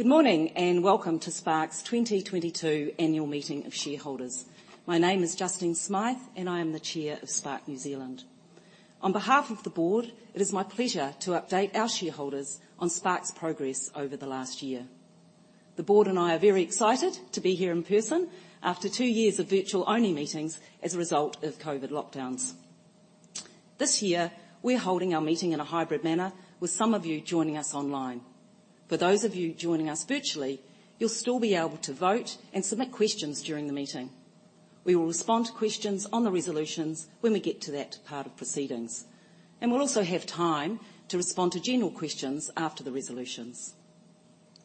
Good morning, and welcome to Spark's 2022 annual meeting of shareholders. My name is Justine Smyth, and I am the Chair of Spark New Zealand. On behalf of the board, it is my pleasure to update our shareholders on Spark's progress over the last year. The board and I are very excited to be here in person after two years of virtual-only meetings as a result of COVID lockdowns. This year, we're holding our meeting in a hybrid manner, with some of you joining us online. For those of you joining us virtually, you'll still be able to vote and submit questions during the meeting. We will respond to questions on the resolutions when we get to that part of proceedings, and we'll also have time to respond to general questions after the resolutions.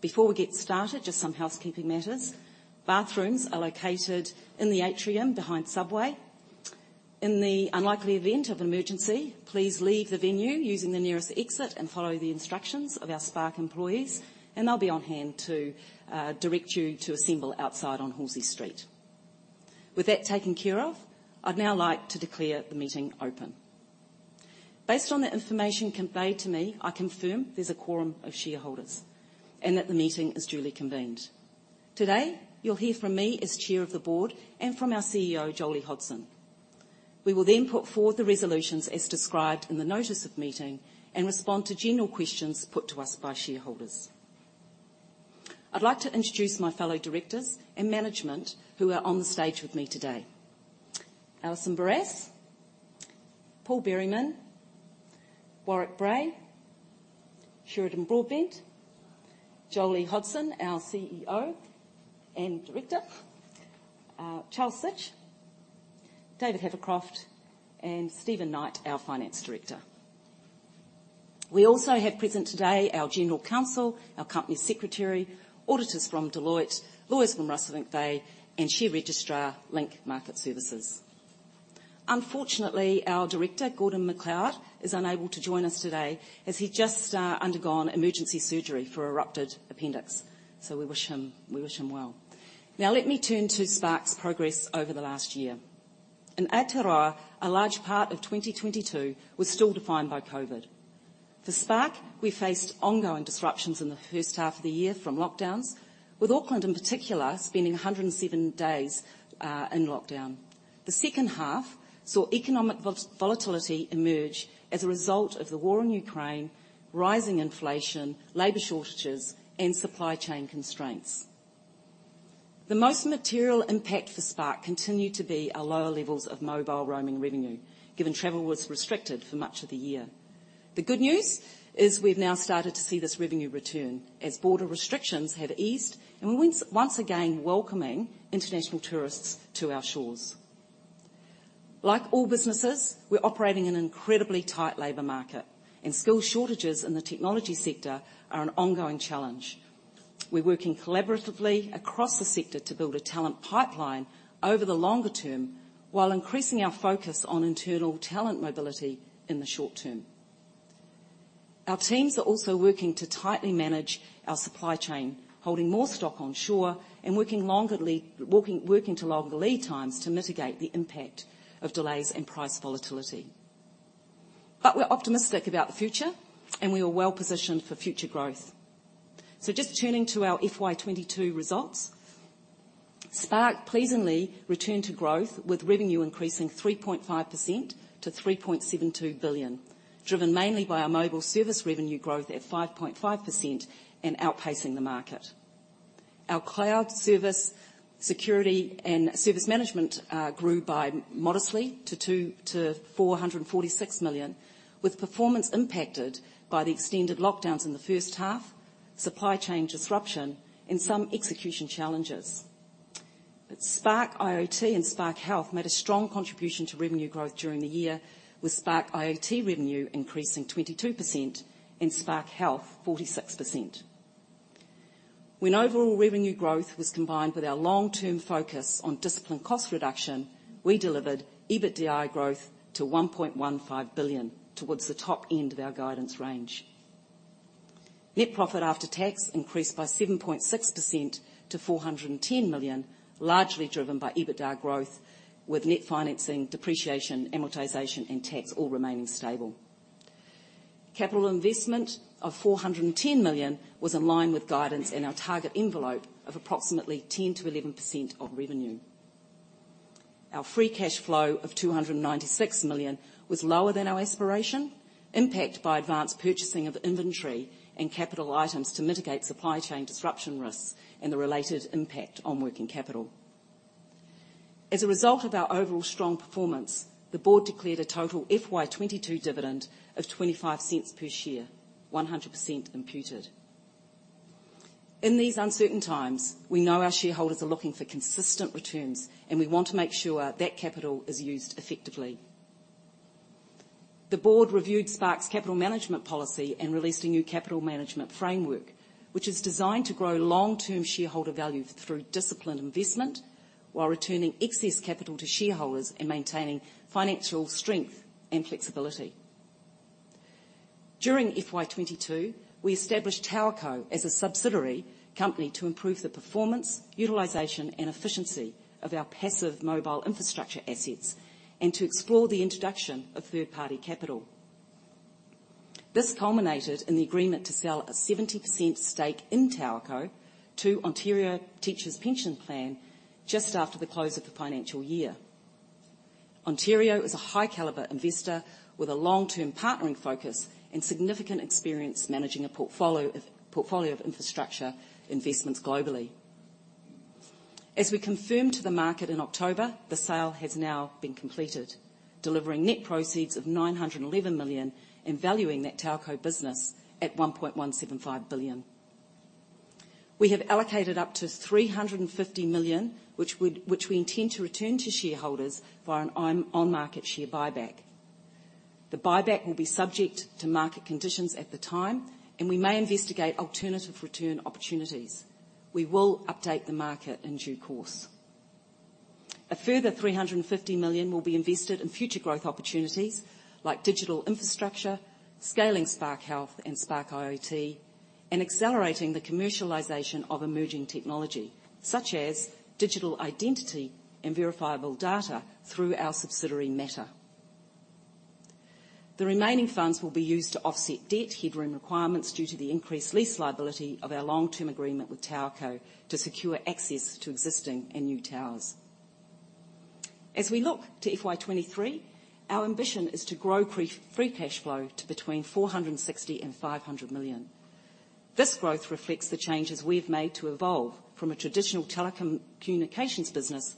Before we get started, just some housekeeping matters. Bathrooms are located in the atrium behind Subway. In the unlikely event of an emergency, please leave the venue using the nearest exit and follow the instructions of our Spark employees, and they'll be on hand to direct you to assemble outside on Halsey Street. With that taken care of, I'd now like to declare the meeting open. Based on the information conveyed to me, I confirm there's a quorum of shareholders and that the meeting is duly convened. Today, you'll hear from me as Chair of the Board and from our CEO, Jolie Hodson. We will then put forward the resolutions as described in the notice of meeting and respond to general questions put to us by shareholders. I'd like to introduce my fellow directors and management who are on the stage with me today. Alison Barrass, Paul Berriman, Warwick Bray, Sheridan Broadbent, Jolie Hodson, our CEO and director, Charles Sitch, David Havercroft, and Stefan Knight, our finance director. We also have present today our general counsel, our company secretary, auditors from Deloitte, lawyers from Russell McVeagh, and share registrar Link Market Services. Unfortunately, our director, Gordon MacLeod, is unable to join us today, as he's just undergone emergency surgery for a ruptured appendix, so we wish him well. Now let me turn to Spark's progress over the last year. In Aotearoa, a large part of 2022 was still defined by COVID. For Spark, we faced ongoing disruptions in the first half of the year from lockdowns, with Auckland in particular spending 107 days in lockdown. The second half saw economic volatility emerge as a result of the war in Ukraine, rising inflation, labor shortages, and supply chain constraints. The most material impact for Spark continued to be our lower levels of mobile roaming revenue, given travel was restricted for much of the year. The good news is we've now started to see this revenue return as border restrictions have eased and we're once again welcoming international tourists to our shores. Like all businesses, we're operating in an incredibly tight labor market, and skill shortages in the technology sector are an ongoing challenge. We're working collaboratively across the sector to build a talent pipeline over the longer term while increasing our focus on internal talent mobility in the short term. Our teams are also working to tightly manage our supply chain, holding more stock onshore and working to longer lead times to mitigate the impact of delays and price volatility. We're optimistic about the future, and we are well-positioned for future growth. Just turning to our FY 2022 results, Spark pleasingly returned to growth, with revenue increasing 3.5% to 3.72 billion, driven mainly by our mobile service revenue growth at 5.5% and outpacing the market. Our cloud service, security, and service management grew modestly to 446 million, with performance impacted by the extended lockdowns in the first half, supply chain disruption, and some execution challenges. Spark IoT and Spark Health made a strong contribution to revenue growth during the year, with Spark IoT revenue increasing 22% and Spark Health 46%. When overall revenue growth was combined with our long-term focus on disciplined cost reduction, we delivered EBITDA growth to 1.15 billion, towards the top end of our guidance range. Net profit after tax increased by 7.6% to 410 million, largely driven by EBITDA growth, with net financing, depreciation, amortization, and tax all remaining stable. Capital investment of 410 million was in line with guidance in our target envelope of approximately 10%-11% of revenue. Our free cash flow of 296 million was lower than our aspiration, impacted by advanced purchasing of inventory and capital items to mitigate supply chain disruption risks and the related impact on working capital. As a result of our overall strong performance, the board declared a total FY 2022 dividend of 0.25 per share, 100% imputed. In these uncertain times, we know our shareholders are looking for consistent returns, and we want to make sure that capital is used effectively. The board reviewed Spark's capital management policy and released a new capital management framework, which is designed to grow long-term shareholder value through disciplined investment while returning excess capital to shareholders and maintaining financial strength and flexibility. During FY 2022, we established TowerCo as a subsidiary company to improve the performance, utilization, and efficiency of our passive mobile infrastructure assets and to explore the introduction of third-party capital. This culminated in the agreement to sell a 70% stake in TowerCo to Ontario Teachers' Pension Plan just after the close of the financial year. Ontario is a high caliber investor with a long-term partnering focus and significant experience managing a portfolio of infrastructure investments globally. As we confirmed to the market in October, the sale has now been completed, delivering net proceeds of 911 million and valuing that TowerCo business at 1.175 billion. We have allocated up to 350 million, which we intend to return to shareholders via an on-market share buyback. The buyback will be subject to market conditions at the time, and we may investigate alternative return opportunities. We will update the market in due course. A further 350 million will be invested in future growth opportunities like digital infrastructure, scaling Spark Health and Spark IoT, and accelerating the commercialization of emerging technology such as digital identity and verifiable data through our subsidiary Mattr. The remaining funds will be used to offset debt headroom requirements due to the increased lease liability of our long-term agreement with TowerCo to secure access to existing and new towers. As we look to FY 2023, our ambition is to grow pre-free cash flow to between 460 million and 500 million. This growth reflects the changes we have made to evolve from a traditional telecommunications business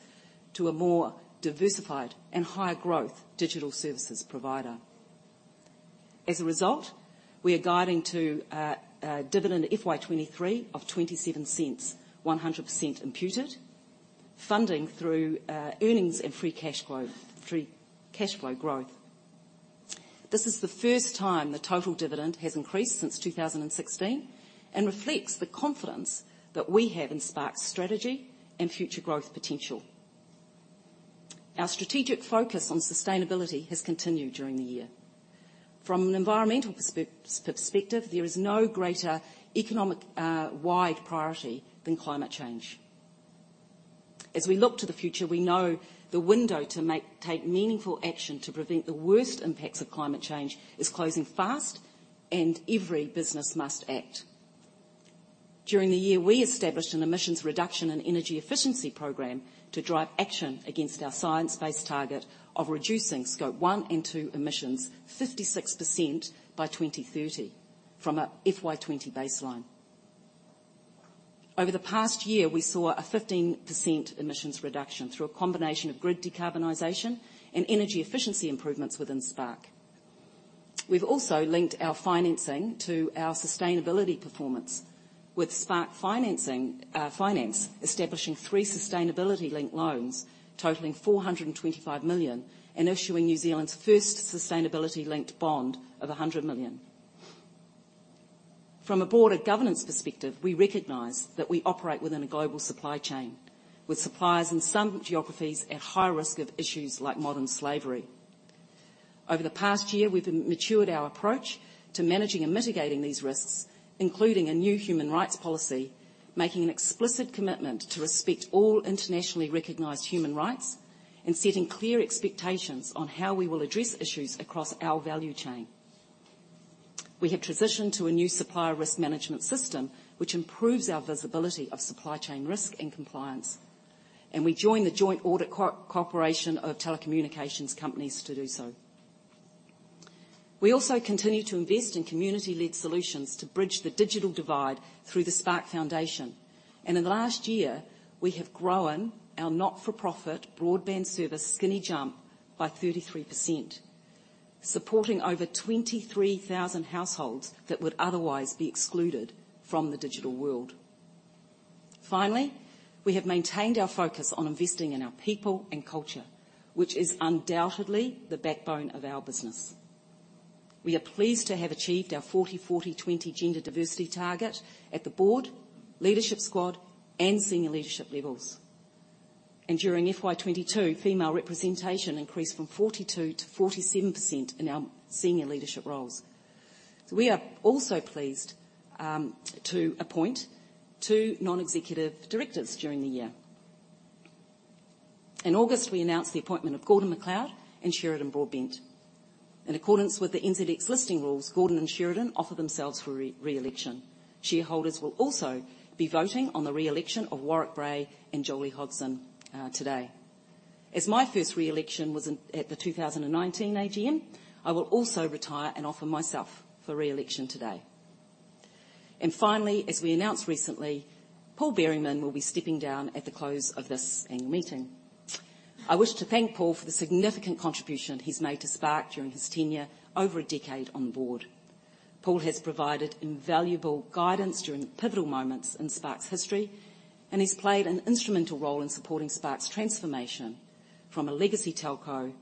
to a more diversified and higher growth digital services provider. As a result, we are guiding to a dividend FY 2023 of 0.27, 100% imputed, funding through earnings and free cash flow, free cash flow growth. This is the first time the total dividend has increased since 2016 and reflects the confidence that we have in Spark's strategy and future growth potential. Our strategic focus on sustainability has continued during the year. From an environmental perspective, there is no greater economic or wider priority than climate change. As we look to the future, we know the window to take meaningful action to prevent the worst impacts of climate change is closing fast and every business must act. During the year, we established an emissions reduction and energy efficiency program to drive action against our science-based target of reducing scope one and two emissions 56% by 2030 from a FY 2020 baseline. Over the past year, we saw a 15% emissions reduction through a combination of grid decarbonization and energy efficiency improvements within Spark. We've also linked our financing to our sustainability performance with Spark Finance establishing three sustainability-linked loans totaling 425 million and issuing New Zealand's first sustainability-linked bond of 100 million. From a broader governance perspective, we recognize that we operate within a global supply chain with suppliers in some geographies at high risk of issues like modern slavery. Over the past year, we've matured our approach to managing and mitigating these risks, including a new human rights policy, making an explicit commitment to respect all internationally recognized human rights and setting clear expectations on how we will address issues across our value chain. We have transitioned to a new supplier risk management system, which improves our visibility of supply chain risk and compliance, and we join the joint audit cooperation of telecommunications companies to do so. We also continue to invest in community-led solutions to bridge the digital divide through the Spark Foundation. In the last year, we have grown our not-for-profit broadband service, Skinny Jump, by 33%, supporting over 23,000 households that would otherwise be excluded from the digital world. Finally, we have maintained our focus on investing in our people and culture, which is undoubtedly the backbone of our business. We are pleased to have achieved our 40/40/20 gender diversity target at the board, leadership squad, and senior leadership levels. During FY 2022, female representation increased from 42% to 47% in our senior leadership roles. We are also pleased to appoint two non-executive directors during the year. In August, we announced the appointment of Gordon MacLeod and Sheridan Broadbent. In accordance with the NZX listing rules, Gordon and Sheridan offer themselves for re-election. Shareholders will also be voting on the re-election of Warwick Bray and Jolie Hodson today. As my first reelection was at the 2019 AGM, I will also retire and offer myself for reelection today. Finally, as we announced recently, Paul Berriman will be stepping down at the close of this annual meeting. I wish to thank Paul for the significant contribution he's made to Spark during his tenure over a decade on the board. Paul has provided invaluable guidance during pivotal moments in Spark's history, and he's played an instrumental role in supporting Spark's transformation from a legacy telco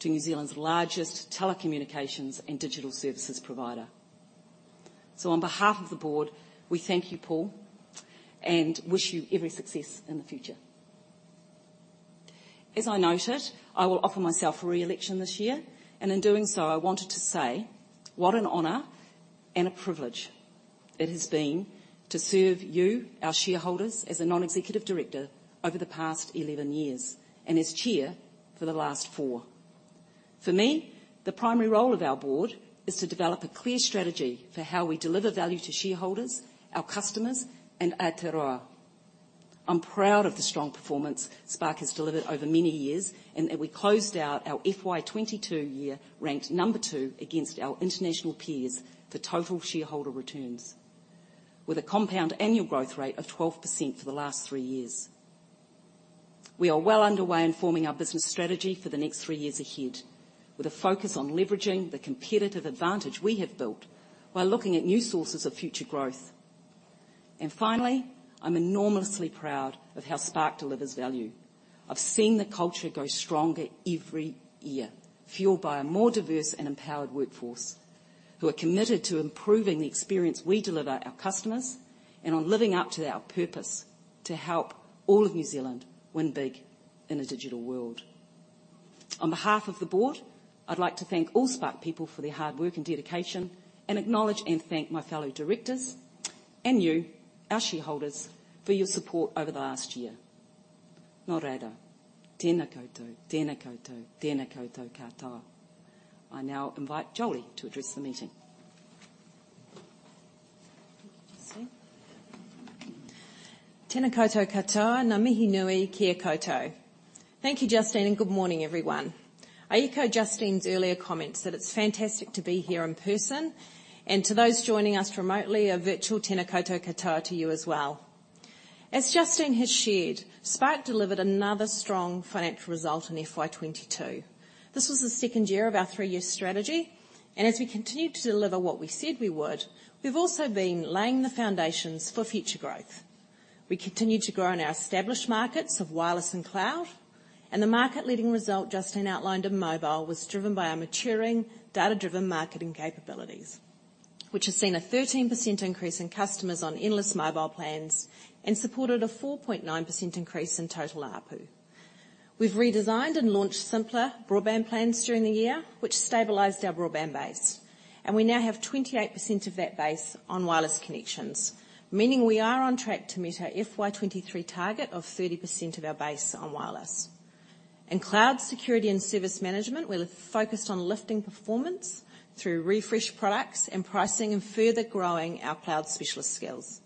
to New Zealand's largest telecommunications and digital services provider. On behalf of the board, we thank you, Paul, and wish you every success in the future. As I noted, I will offer myself for reelection this year, and in doing so, I wanted to say what an honor and a privilege it has been to serve you, our shareholders, as a non-executive director over the past 11 years, and as chair for the last four. For me, the primary role of our board is to develop a clear strategy for how we deliver value to shareholders, our customers, and Aotearoa. I'm proud of the strong performance Spark has delivered over many years, and that we closed out our FY 2022 year ranked number two against our international peers for total shareholder returns with a compound annual growth rate of 12% for the last three years. We are well underway in forming our business strategy for the next three years ahead with a focus on leveraging the competitive advantage we have built while looking at new sources of future growth. Finally, I'm enormously proud of how Spark delivers value. I've seen the culture grow stronger every year, fueled by a more diverse and empowered workforce who are committed to improving the experience we deliver our customers and on living up to our purpose to help all of New Zealand win big in a digital world. On behalf of the board, I'd like to thank all Spark people for their hard work and dedication, and acknowledge and thank my fellow directors and you, our shareholders, for your support over the last year. Nō reira, tēnā koutou, tēnā koutou, tēnā koutou katoa. I now invite Jolie to address the meeting. Thank you. Tēnā koutou katoa. Ngā mihi nui kia koutou. Thank you, Justine, and good morning everyone. I echo Justine's earlier comments that it's fantastic to be here in person, and to those joining us remotely, a virtual tēnā koutou katoa to you as well. As Justine has shared, Spark delivered another strong financial result in FY 2022. This was the second year of our three-year strategy, and as we continued to deliver what we said we would, we've also been laying the foundations for future growth. We continued to grow in our established markets of wireless and cloud, and the market-leading result Justine outlined in mobile was driven by our maturing data-driven marketing capabilities, which has seen a 13% increase in customers on endless mobile plans and supported a 4.9% increase in total ARPU. We've redesigned and launched simpler broadband plans during the year, which stabilized our broadband base, and we now have 28% of that base on wireless connections, meaning we are on track to meet our FY 2023 target of 30% of our base on wireless. In cloud security and service management, we're focused on lifting performance through refreshed products and pricing and further growing our cloud specialist skills.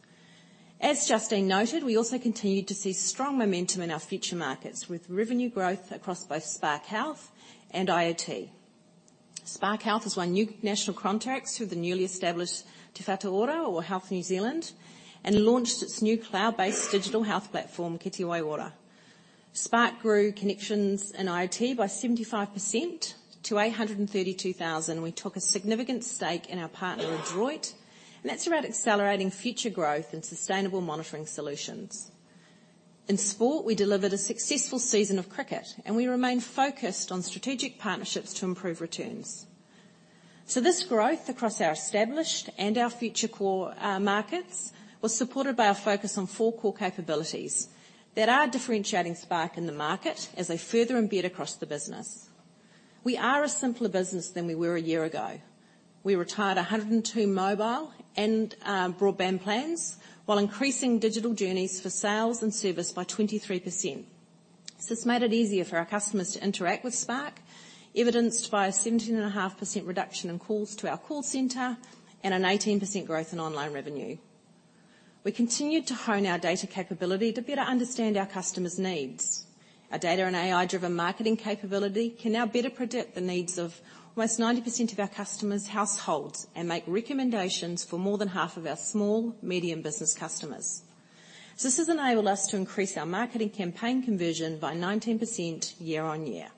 As Justine noted, we also continued to see strong momentum in our future markets with revenue growth across both Spark Health and IoT. Spark Health has won new national contracts through the newly established Te Whatu Ora or Health New Zealand, and launched its new cloud-based digital health platform, Kete Wai Ora. Spark grew connections in IoT by 75% to 832,000. We took a significant stake in our partner Adroit, and that's around accelerating future growth and sustainable monitoring solutions. In sport, we delivered a successful season of cricket, and we remain focused on strategic partnerships to improve returns. This growth across our established and our future core markets was supported by our focus on four core capabilities that are differentiating Spark in the market as they further embed across the business. We are a simpler business than we were a year ago. We retired 102 mobile and broadband plans while increasing digital journeys for sales and service by 23%. This made it easier for our customers to interact with Spark, evidenced by a 17.5% reduction in calls to our call center and an 18% growth in online revenue. We continued to hone our data capability to better understand our customers' needs. Our data and AI-driven marketing capability can now better predict the needs of almost 90% of our customers' households and make recommendations for more than half of our small, medium business customers. This has enabled us to increase our marketing campaign conversion by 19% year-on-year.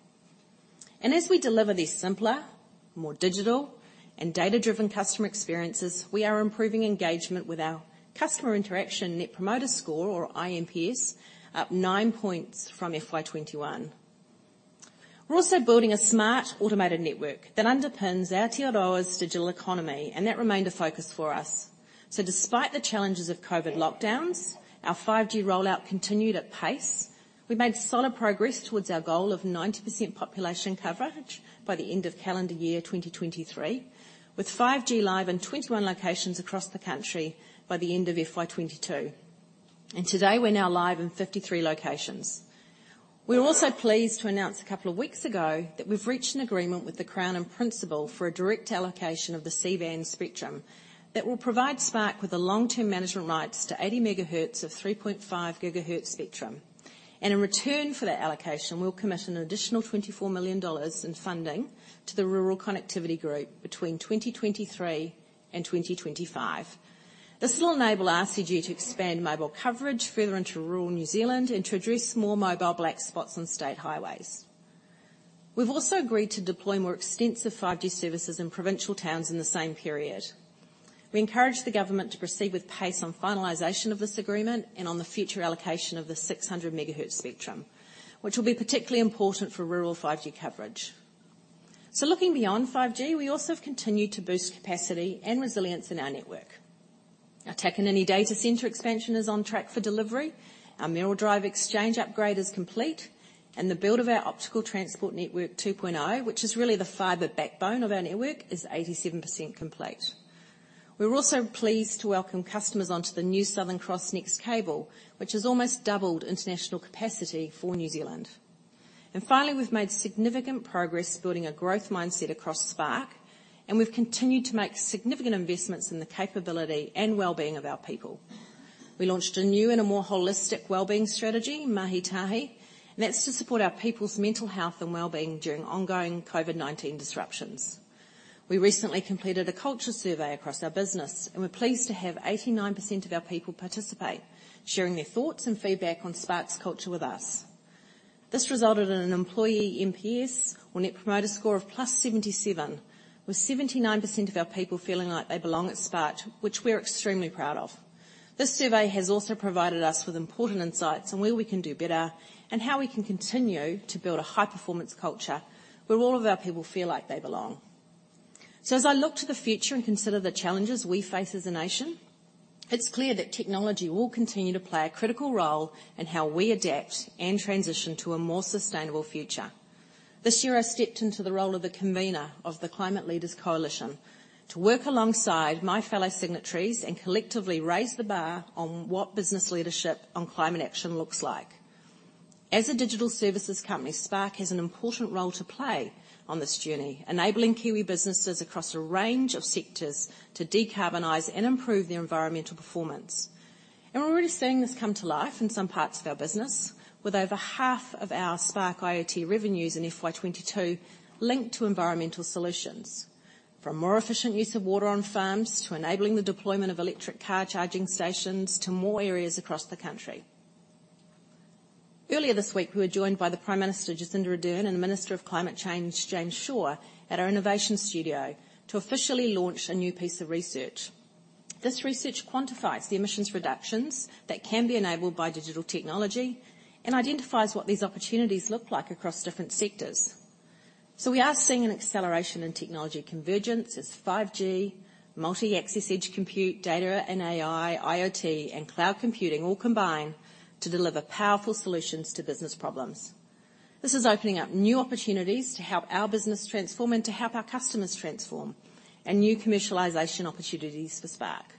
As we deliver these simpler, more digital, and data-driven customer experiences, we are improving engagement with our customer interaction net promoter score, or INPS, up 9 points from FY 2021. We're also building a smart automated network that underpins Aotearoa's digital economy, and that remained a focus for us. Despite the challenges of COVID lockdowns, our 5G rollout continued at pace. We made solid progress towards our goal of 90% population coverage by the end of calendar year 2023 with 5G live in 21 locations across the country by the end of FY 2022. Today we're now live in 53 locations. We're also pleased to announce a couple of weeks ago that we've reached an agreement with the Crown in principle for a direct allocation of the C-band spectrum that will provide Spark with the long-term management rights to 80 MHz of 3.5 GHz spectrum. In return for that allocation, we'll commit an additional 24 million dollars in funding to the Rural Connectivity Group between 2023 and 2025. This will enable RCG to expand mobile coverage further into rural New Zealand and to address small mobile black spots on state highways. We've also agreed to deploy more extensive 5G services in provincial towns in the same period. We encourage the government to proceed with pace on finalization of this agreement and on the future allocation of the 600 MHz spectrum, which will be particularly important for rural 5G coverage. Looking beyond 5G, we also have continued to boost capacity and resilience in our network. Our Takanini data center expansion is on track for delivery. Our Mayoral Drive exchange upgrade is complete, and the build of our Optical Transport Network 2.0, which is really the fiber backbone of our network, is 87% complete. We're also pleased to welcome customers onto the new Southern Cross NEXT Cable, which has almost doubled international capacity for New Zealand. Finally, we've made significant progress building a growth mindset across Spark, and we've continued to make significant investments in the capability and well-being of our people. We launched a new and a more holistic well-being strategy, Mahi Tahi, and that's to support our people's mental health and well-being during ongoing COVID-19 disruptions. We recently completed a culture survey across our business, and we're pleased to have 89% of our people participate, sharing their thoughts and feedback on Spark's culture with us. This resulted in an employee NPS or Net Promoter Score of +77, with 79% of our people feeling like they belong at Spark, which we're extremely proud of. This survey has also provided us with important insights on where we can do better and how we can continue to build a high-performance culture where all of our people feel like they belong. As I look to the future and consider the challenges we face as a nation, it's clear that technology will continue to play a critical role in how we adapt and transition to a more sustainable future. This year, I stepped into the role of the convener of the Climate Leaders Coalition to work alongside my fellow signatories and collectively raise the bar on what business leadership on climate action looks like. As a digital services company, Spark has an important role to play on this journey, enabling Kiwi businesses across a range of sectors to decarbonize and improve their environmental performance. We're already seeing this come to life in some parts of our business with over half of our Spark IoT revenues in FY 2022 linked to environmental solutions. From more efficient use of water on farms to enabling the deployment of electric car charging stations to more areas across the country. Earlier this week, we were joined by the Prime Minister, Jacinda Ardern, and the Minister of Climate Change, James Shaw, at our innovation studio to officially launch a new piece of research. This research quantifies the emissions reductions that can be enabled by digital technology and identifies what these opportunities look like across different sectors. We are seeing an acceleration in technology convergence as 5G, multi-access edge compute, data and AI, IoT, and cloud computing all combine to deliver powerful solutions to business problems. This is opening up new opportunities to help our business transform and to help our customers transform, and new commercialization opportunities for Spark.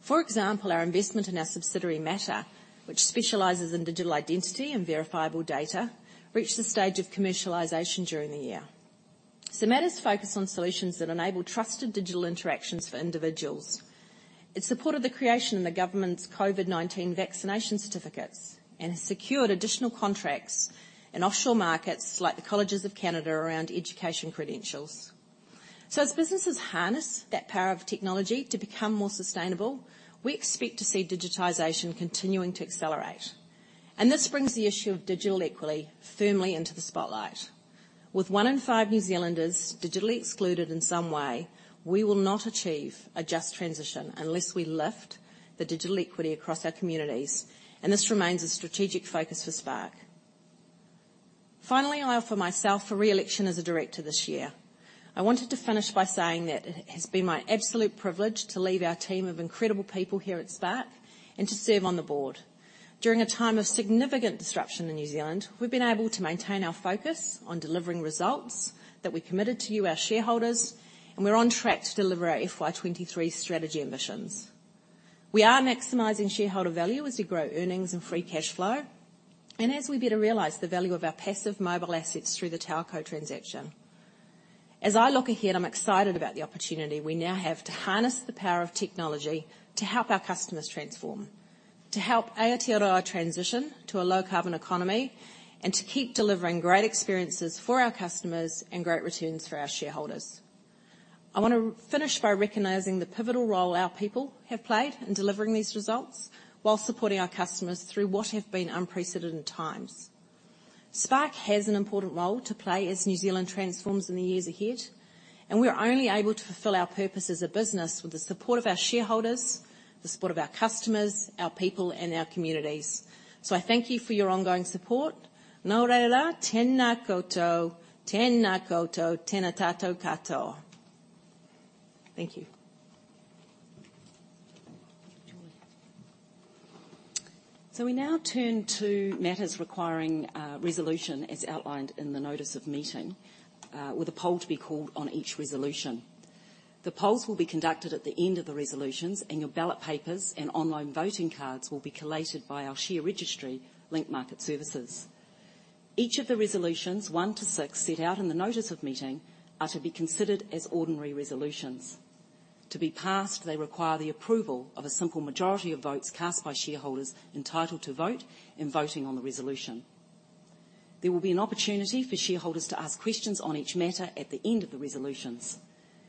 For example, our investment in our subsidiary Mattr, which specializes in digital identity and verifiable data, reached the stage of commercialization during the year. Matter's focused on solutions that enable trusted digital interactions for individuals. It supported the creation of the government's COVID-19 vaccination certificates and has secured additional contracts in offshore markets like the colleges of Canada around education credentials. As businesses harness that power of technology to become more sustainable, we expect to see digitization continuing to accelerate. This brings the issue of digital equity firmly into the spotlight. With one in five New Zealanders digitally excluded in some way, we will not achieve a just transition unless we lift the digital equity across our communities, and this remains a strategic focus for Spark. Finally, I offer myself for re-election as a director this year. I wanted to finish by saying that it has been my absolute privilege to lead our team of incredible people here at Spark and to serve on the board. During a time of significant disruption in New Zealand, we've been able to maintain our focus on delivering results that we committed to you, our shareholders, and we're on track to deliver our FY 2023 strategy ambitions. We are maximizing shareholder value as we grow earnings and free cash flow and as we better realize the value of our passive mobile assets through the TowerCo transaction. As I look ahead, I'm excited about the opportunity we now have to harness the power of technology to help our customers transform, to help Aotearoa transition to a low-carbon economy, and to keep delivering great experiences for our customers and great returns for our shareholders. I want to finish by recognizing the pivotal role our people have played in delivering these results while supporting our customers through what have been unprecedented times. Spark has an important role to play as New Zealand transforms in the years ahead, and we're only able to fulfill our purpose as a business with the support of our shareholders, the support of our customers, our people, and our communities. I thank you for your ongoing support. No reira, tena koutou, tena koutou, tena koutou katoa. Thank you. We now turn to matters requiring resolution as outlined in the Notice of Meeting with a poll to be called on each resolution. The polls will be conducted at the end of the resolutions, and your ballot papers and online voting cards will be collated by our share registry Link Market Services. Each of the resolutions one to six set out in the Notice of Meeting are to be considered as ordinary resolutions. To be passed, they require the approval of a simple majority of votes cast by shareholders entitled to vote in voting on the resolution. There will be an opportunity for shareholders to ask questions on each matter at the end of the resolutions.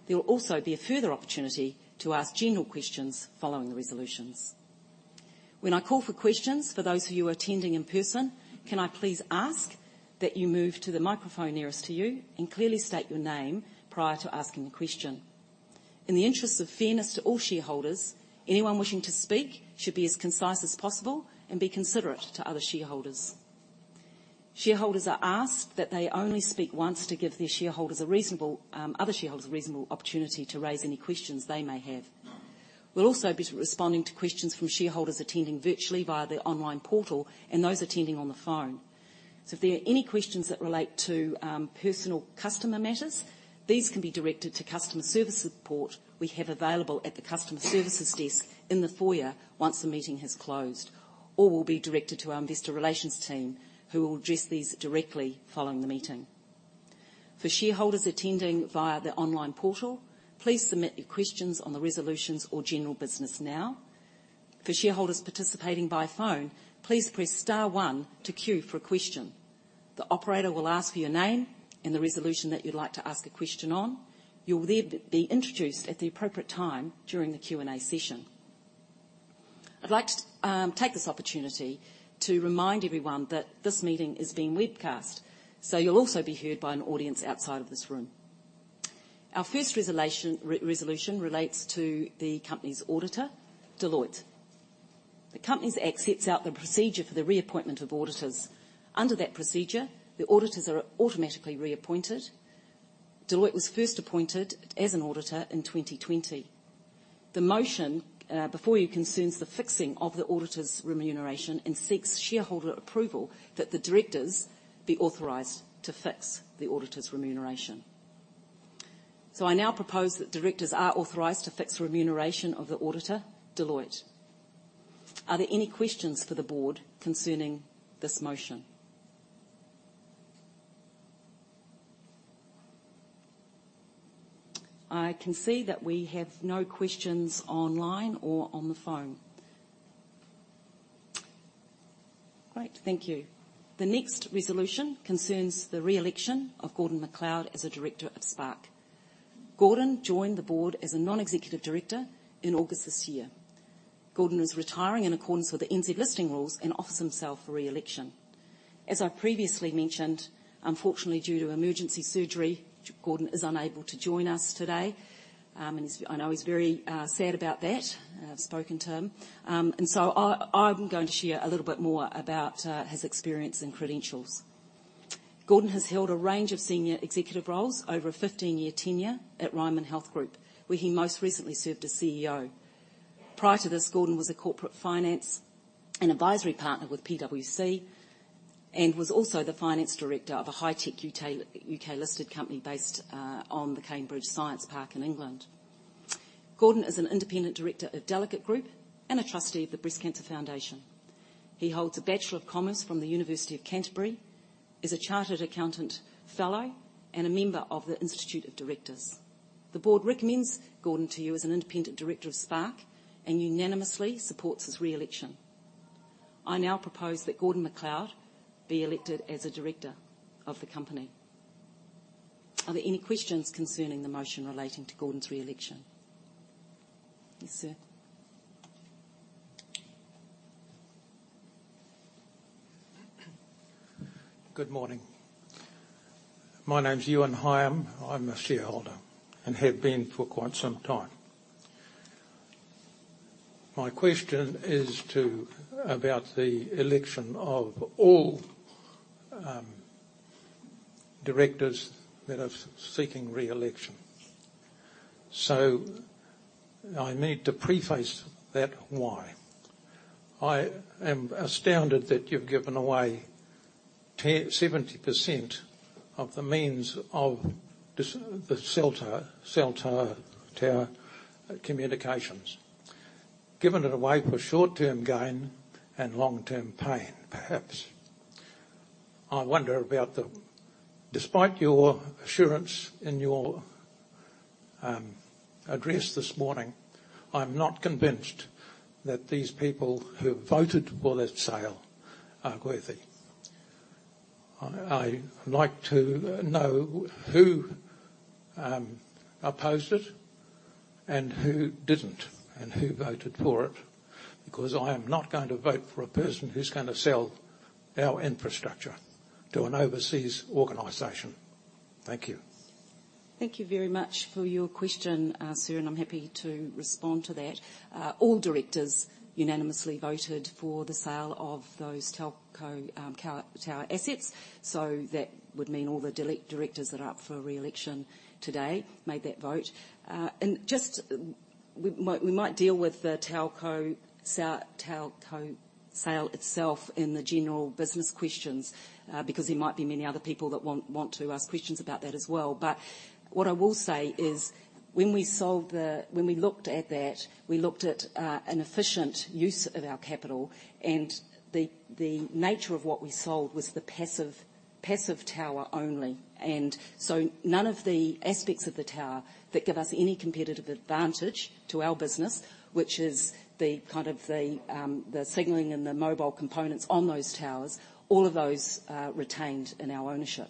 There will also be a further opportunity to ask general questions following the resolutions. When I call for questions for those of you attending in person, can I please ask that you move to the microphone nearest to you and clearly state your name prior to asking the question. In the interest of fairness to all shareholders, anyone wishing to speak should be as concise as possible and be considerate to other shareholders. Shareholders are asked that they only speak once to give other shareholders a reasonable opportunity to raise any questions they may have. We'll also be responding to questions from shareholders attending virtually via the online portal and those attending on the phone. If there are any questions that relate to personal customer matters, these can be directed to customer service support we have available at the customer services desk in the foyer once the meeting has closed, or will be directed to our investor relations team, who will address these directly following the meeting. For shareholders attending via the online portal, please submit your questions on the resolutions or general business now. For shareholders participating by phone, please press star one to queue for a question. The operator will ask for your name and the resolution that you'd like to ask a question on. You'll then be introduced at the appropriate time during the Q&A session. I'd like to take this opportunity to remind everyone that this meeting is being webcast, so you'll also be heard by an audience outside of this room. Our first resolution relates to the company's auditor, Deloitte. The Companies Act sets out the procedure for the reappointment of auditors. Under that procedure, the auditors are automatically reappointed. Deloitte was first appointed as an auditor in 2020. The motion before you concerns the fixing of the auditor's remuneration and seeks shareholder approval that the directors be authorized to fix the auditor's remuneration. I now propose that directors are authorized to fix remuneration of the auditor, Deloitte. Are there any questions for the board concerning this motion? I can see that we have no questions online or on the phone. Great. Thank you. The next resolution concerns the re-election of Gordon MacLeod as a director of Spark. Gordon joined the board as a non-executive director in August this year. Gordon is retiring in accordance with the NZX Listing Rules and offers himself for re-election. As I previously mentioned, unfortunately due to emergency surgery, Gordon is unable to join us today, and I know he's very sad about that. I've spoken to him. I'm going to share a little bit more about his experience and credentials. Gordon has held a range of senior executive roles over a 15-year tenure at Ryman Healthcare, where he most recently served as CEO. Prior to this, Gordon was a corporate finance and advisory partner with PwC and was also the finance director of a high-tech U.K.-listed company based on the Cambridge Science Park in England. Gordon is an independent director of Delegat Group and a trustee of the Breast Cancer Foundation. He holds a Bachelor of Commerce from the University of Canterbury, is a chartered accountant fellow, and a member of The Institute of Directors. The board recommends Gordon to you as an independent director of Spark and unanimously supports his re-election. I now propose that Gordon MacLeod be elected as a director of the company. Are there any questions concerning the motion relating to Gordon's re-election? Yes, sir. Good morning. My name's Ewan Higham. I'm a shareholder and have been for quite some time. My question is about the election of all directors that are seeking re-election. I need to preface that why. I am astounded that you've given away 70% of the means of this, the cell tower communications. Given it away for short-term gain and long-term pain, perhaps. I wonder about. Despite your assurance in your address this morning, I'm not convinced that these people who voted for that sale are worthy. I'd like to know who opposed it and who didn't, and who voted for it, because I am not going to vote for a person who's gonna sell our infrastructure to an overseas organization. Thank you. Thank you very much for your question, sir, and I'm happy to respond to that. All directors unanimously voted for the sale of those telco tower assets. That would mean all the directors that are up for re-election today made that vote. Just, we might deal with the telco sale itself in the general business questions, because there might be many other people that want to ask questions about that as well. What I will say is, when we looked at that, we looked at an efficient use of our capital, and the nature of what we sold was the passive tower only. None of the aspects of the tower that give us any competitive advantage to our business, which is the signaling and the mobile components on those towers, all of those retained in our ownership.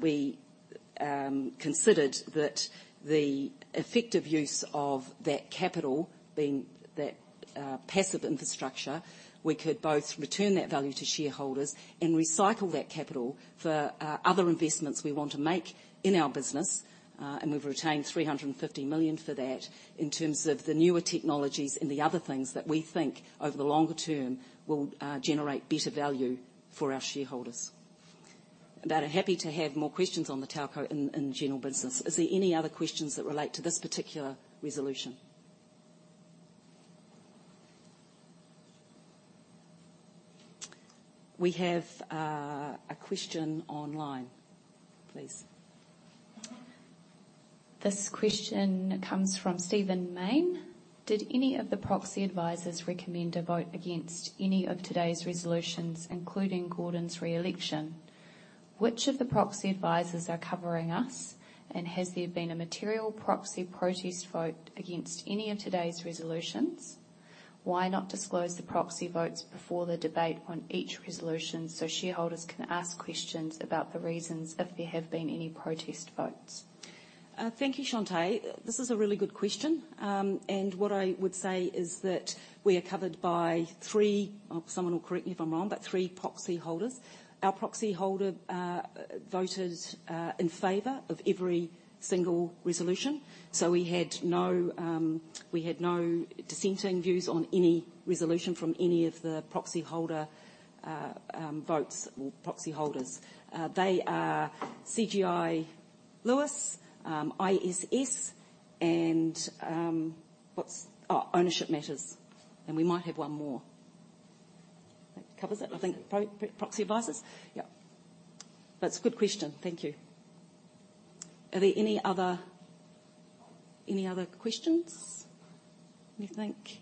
We considered that the effective use of that capital, being that passive infrastructure, we could both return that value to shareholders and recycle that capital for other investments we want to make in our business. We've retained 350 million for that in terms of the newer technologies and the other things that we think over the longer term will generate better value for our shareholders. We're happy to have more questions on the telco and general business. Is there any other questions that relate to this particular resolution? We have a question online. Please. This question comes from Steven Main. "Did any of the proxy advisors recommend a vote against any of today's resolutions, including Gordon's re-election? Which of the proxy advisors are covering us, and has there been a material proxy protest vote against any of today's resolutions? Why not disclose the proxy votes before the debate on each resolution so shareholders can ask questions about the reasons if there have been any protest votes? Thank you, Chante. This is a really good question. What I would say is that we are covered by three. Someone will correct me if I'm wrong, but three proxy holders. Our proxy holder voted in favor of every single resolution. We had no dissenting views on any resolution from any of the proxy holders votes or proxy holders. They are CGI Glass Lewis, ISS, and Ownership Matters, and we might have one more. That covers it, I think. Proxy advisors? Yep. That's a good question. Thank you. Are there any other questions, do you think?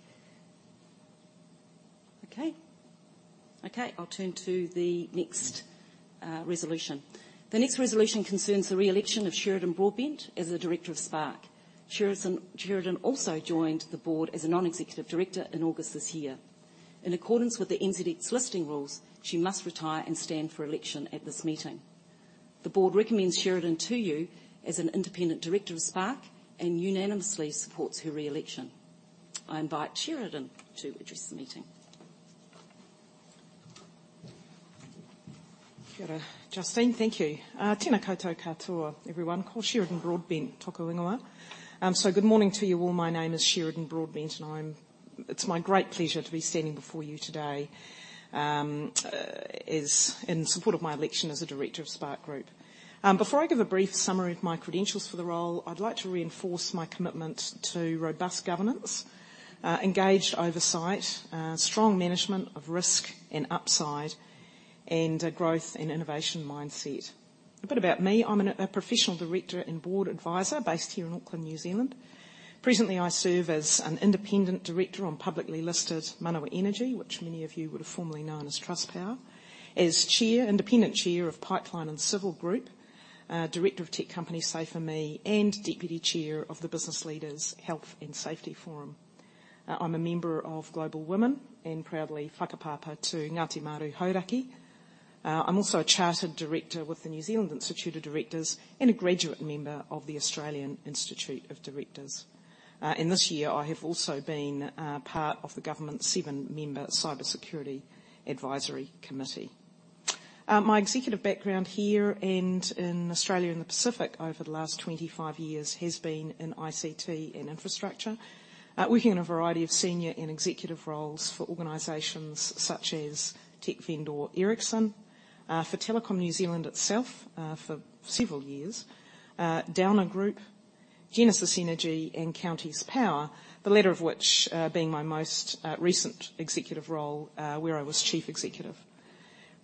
Okay. I'll turn to the next resolution. The next resolution concerns the re-election of Sheridan Broadbent as a director of Spark. Sheridan also joined the board as a non-executive director in August this year. In accordance with the NZX Listing Rules, she must retire and stand for election at this meeting. The board recommends Sheridan to you as an independent director of Spark and unanimously supports her re-election. I invite Sheridan to address the meeting. Kia ora, Justine. Thank you. Tena koutou katoa, everyone. Ko Sheridan Broadbent toku ingoa. Good morning to you all. My name is Sheridan Broadbent, and it's my great pleasure to be standing before you today, in support of my election as a director of Spark New Zealand. Before I give a brief summary of my credentials for the role, I'd like to reinforce my commitment to robust governance, engaged oversight, strong management of risk and upside, and a growth and innovation mindset. A bit about me. I'm a professional director and board advisor based here in Auckland, New Zealand. Presently, I serve as an independent director on publicly listed Manawa Energy, which many of you would have formerly known as Trustpower. As chair, independent chair of Pipeline & Civil, director of tech company SaferMe, and deputy chair of the Business Leaders' Health and Safety Forum. I'm a member of Global Women and proudly whakapapa to Ngāti Maru, Hauraki. I'm also a chartered director with the Institute of Directors in New Zealand and a graduate member of the Australian Institute of Company Directors. This year, I have also been part of the government's seven-member cybersecurity advisory committee. My executive background here and in Australia and the Pacific over the last 25 years has been in ICT and infrastructure, working in a variety of senior and executive roles for organizations such as tech vendor Ericsson, for Telecom New Zealand itself, for several years, Downer Group, Genesis Energy, and Counties Power, the latter of which being my most recent executive role, where I was chief executive.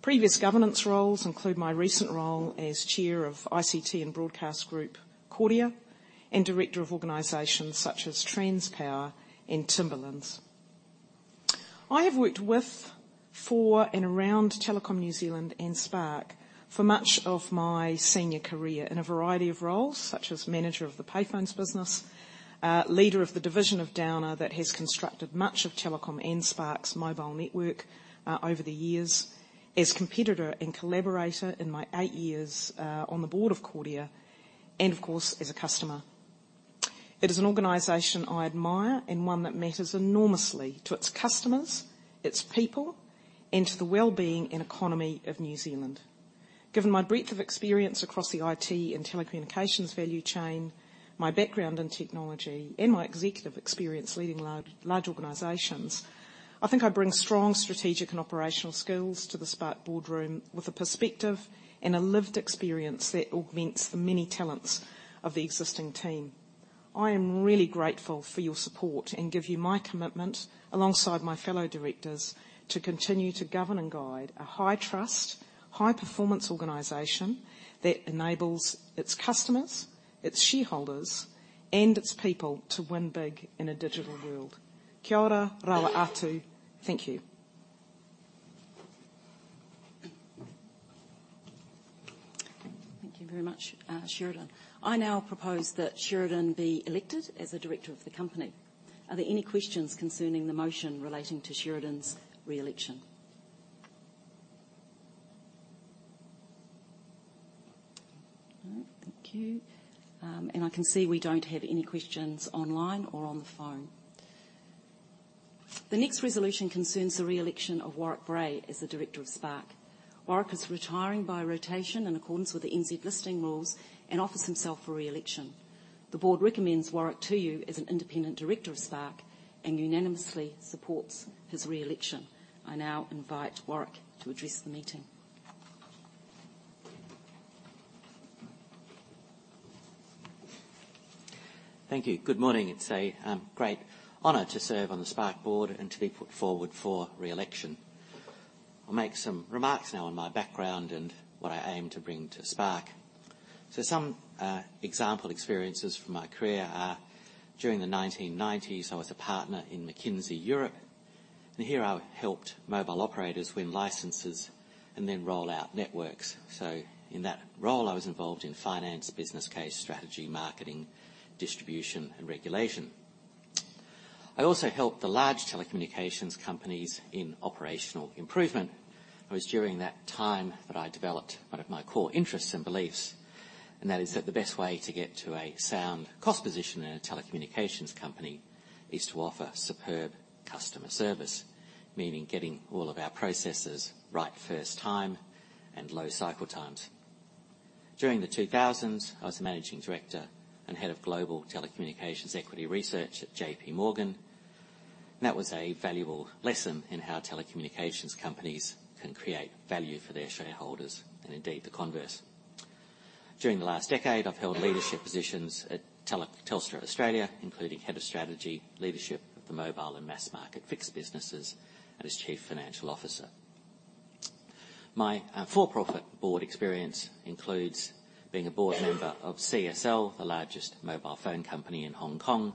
Previous governance roles include my recent role as chair of ICT and Broadcast Group, Kordia, and director of organizations such as Transpower and Timberlands. I have worked with, for, and around Telecom New Zealand and Spark for much of my senior career in a variety of roles, such as manager of the payphones business, leader of the division of Downer that has constructed much of Telecom and Spark's mobile network, over the years, as competitor and collaborator in my eight years on the board of Kordia, and of course, as a customer. It is an organization I admire and one that matters enormously to its customers, its people, and to the well-being and economy of New Zealand. Given my breadth of experience across the IT and telecommunications value chain, my background in technology, and my executive experience leading large organizations, I think I bring strong strategic and operational skills to the Spark boardroom with a perspective and a lived experience that augments the many talents of the existing team. I am really grateful for your support and give you my commitment, alongside my fellow directors, to continue to govern and guide a high-trust, high-performance organization that enables its customers, its shareholders, and its people to win big in a digital world. Kia ora koutou. Thank you. Thank you very much, Sheridan. I now propose that Sheridan be elected as a director of the company. Are there any questions concerning the motion relating to Sheridan's re-election? All right. Thank you. And I can see we don't have any questions online or on the phone. The next resolution concerns the re-election of Warwick Bray as a director of Spark. Warwick is retiring by rotation in accordance with the NZX Listing Rules and offers himself for re-election. The board recommends Warwick to you as an independent director of Spark and unanimously supports his reelection. I now invite Warwick to address the meeting. Thank you. Good morning. It's a great honor to serve on the Spark board and to be put forward for reelection. I'll make some remarks now on my background and what I aim to bring to Spark. Some example experiences from my career are. During the 1990s, I was a partner in McKinsey Europe, and here I helped mobile operators win licenses and then roll out networks. In that role, I was involved in finance, business case, strategy, marketing, distribution, and regulation. I also helped the large telecommunications companies in operational improvement. It was during that time that I developed one of my core interests and beliefs, and that is that the best way to get to a sound cost position in a telecommunications company is to offer superb customer service. Meaning getting all of our processes right first time and low cycle times. During the 2000s, I was Managing Director and Head of Global Telecommunications Equity Research at JP Morgan. That was a valuable lesson in how telecommunications companies can create value for their shareholders and indeed the converse. During the last decade, I've held leadership positions at Telstra Australia, including Head of Strategy, Leadership of the Mobile and Mass Market Fixed Businesses, and as Chief Financial Officer. My for-profit board experience includes being a board member of CSL, the largest mobile phone company in Hong Kong,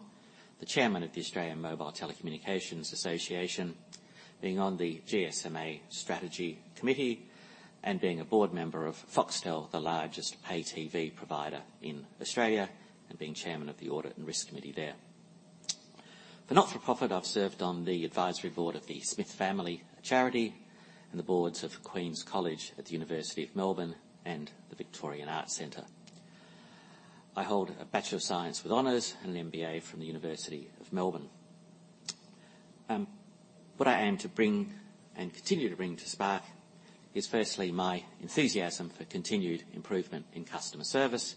the chairman of the Australian Mobile Telecommunications Association, being on the GSMA Strategy Committee, and being a board member of Foxtel, the largest pay TV provider in Australia, and being chairman of the Audit and Risk Committee there. For not-for-profit, I've served on the advisory board of the Smith Family and the boards of Queen's College at the University of Melbourne and the Arts Centre Melbourne. I hold a Bachelor of Science with honors and an MBA from the University of Melbourne. What I aim to bring and continue to bring to Spark is firstly my enthusiasm for continued improvement in customer service,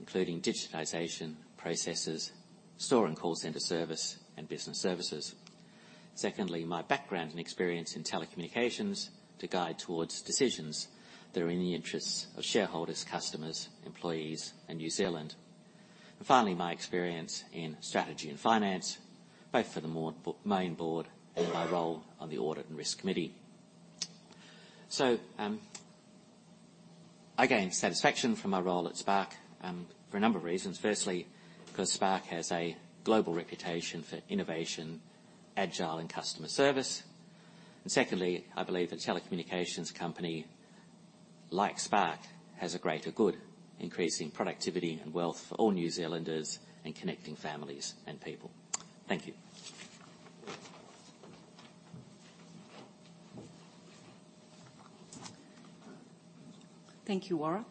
including digitization processes, store and call center service, and business services. Secondly, my background and experience in telecommunications to guide towards decisions that are in the interests of shareholders, customers, employees, and New Zealand. Finally, my experience in strategy and finance, both for the main board and my role on the Audit and Risk Committee. I gain satisfaction from my role at Spark for a number of reasons. Firstly, because Spark has a global reputation for innovation, agile, and customer service. Secondly, I believe a telecommunications company like Spark has a greater good, increasing productivity and wealth for all New Zealanders and connecting families and people. Thank you. Thank you, Warwick.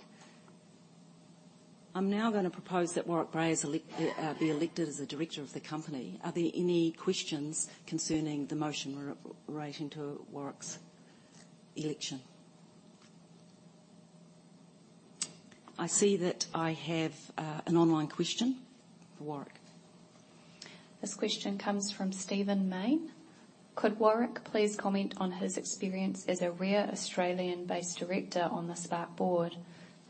I'm now gonna propose that Warwick Bray be elected as a director of the company. Are there any questions concerning the motion relating to Warwick's election? I see that I have an online question for Warwick. This question comes from Steven Main. "Could Warwick please comment on his experience as a rare Australian-based director on the Spark board?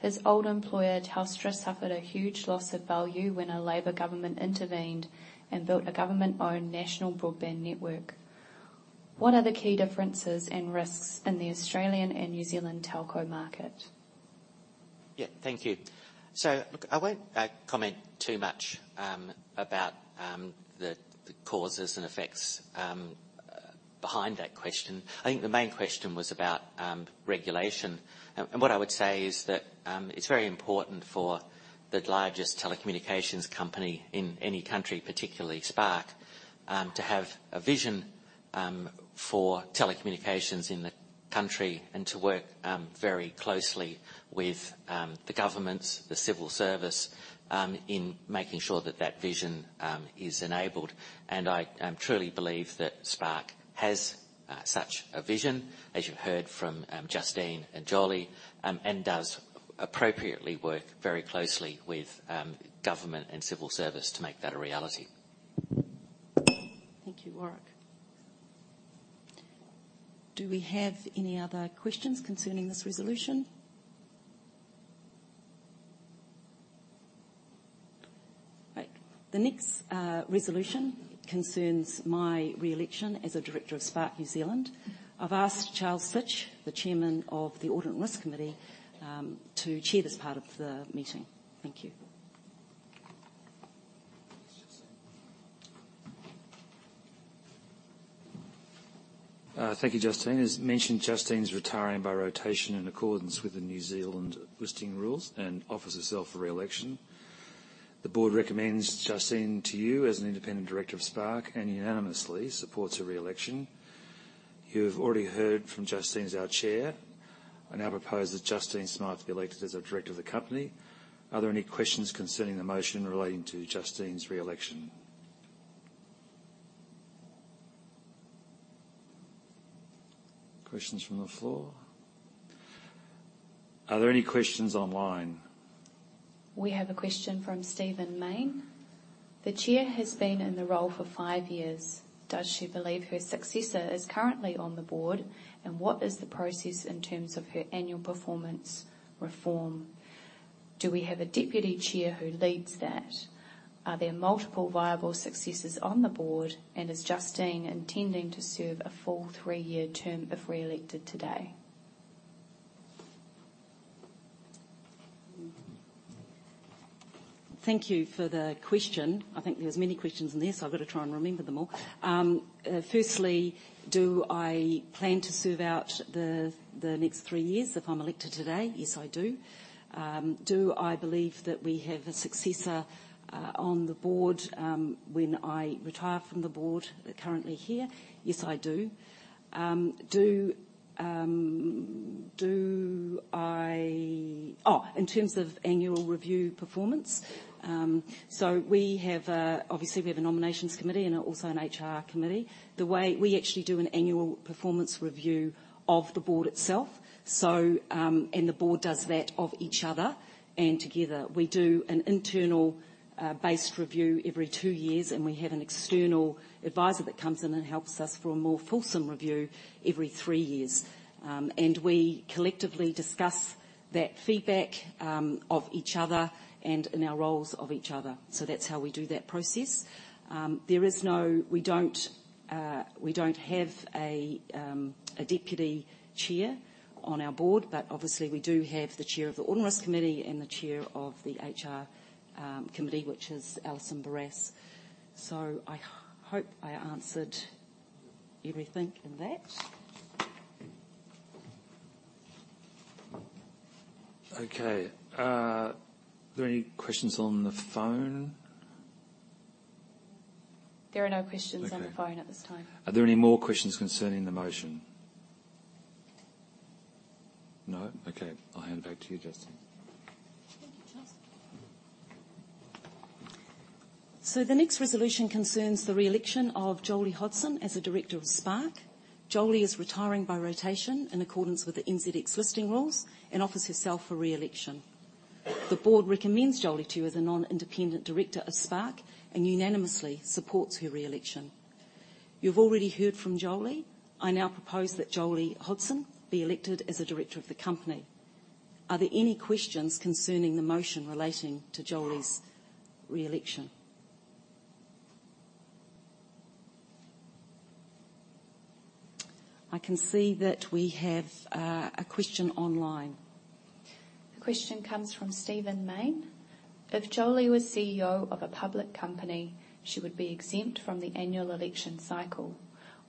His old employer, Telstra, suffered a huge loss of value when a Labor government intervened and built a government-owned national broadband network. What are the key differences and risks in the Australian and New Zealand telco market? Yeah, thank you. Look, I won't comment too much about the causes and effects behind that question. I think the main question was about regulation. What I would say is that it's very important for the largest telecommunications company in any country, particularly Spark, to have a vision for telecommunications in the country and to work very closely with the governments, the civil service, in making sure that that vision is enabled. I truly believe that Spark has such a vision, as you heard from Justine and Jolie, and does appropriately work very closely with government and civil service to make that a reality. Thank you, Warwick. Do we have any other questions concerning this resolution? Right. The next resolution concerns my reelection as a director of Spark New Zealand. I've asked Charles Sitch, the Chairman of the Audit and Risk Committee, to chair this part of the meeting. Thank you. Thank you, Justine. As mentioned, Justine's retiring by rotation in accordance with the New Zealand Listing Rules and offers herself for reelection. The board recommends Justine to you as an independent director of Spark and unanimously supports her reelection. You've already heard from Justine as our chair. I now propose that Justine Smyth be elected as a director of the company. Are there any questions concerning the motion relating to Justine's reelection? Questions from the floor? Are there any questions online? We have a question from Steven Main. The chair has been in the role for five years. Does she believe her successor is currently on the board? What is the process in terms of her annual performance review? Do we have a deputy chair who leads that? Are there multiple viable successors on the board? Is Justine intending to serve a full three-year term if reelected today? Thank you for the question. I think there was many questions in there, so I've got to try and remember them all. Firstly, do I plan to serve out the next three years if I'm elected today? Yes, I do. Do I believe that we have a successor on the board when I retire from the board currently here? Yes, I do. Do I. Oh, in terms of annual review performance. So we have a obviously, we have a nominations committee and also an HR committee. The way We actually do an annual performance review of the board itself. So the board does that of each other and together. We do an internal board-based review every two years, and we have an external advisor that comes in and helps us for a more fulsome review every three years. We collectively discuss that feedback of each other and in our roles of each other. That's how we do that process. We don't have a deputy chair on our board, but obviously we do have the chair of the Audit Risk Committee and the chair of the HR committee, which is Alison Barrass. I hope I answered everything in that. Okay. Are there any questions on the phone? There are no questions. Okay on the phone at this time. Are there any more questions concerning the motion? No? Okay. I'll hand it back to you, Justine. Thank you, Charles. The next resolution concerns the reelection of Jolie Hodson as a director of Spark. Jolie is retiring by rotation in accordance with the NZX Listing Rules and offers herself for reelection. The board recommends Jolie to you as a non-independent director of Spark and unanimously supports her reelection. You've already heard from Jolie. I now propose that Jolie Hodson be elected as a director of the company. Are there any questions concerning the motion relating to Jolie's reelection? I can see that we have a question online. The question comes from Steven Main. If Jolie was CEO of a public company, she would be exempt from the annual election cycle.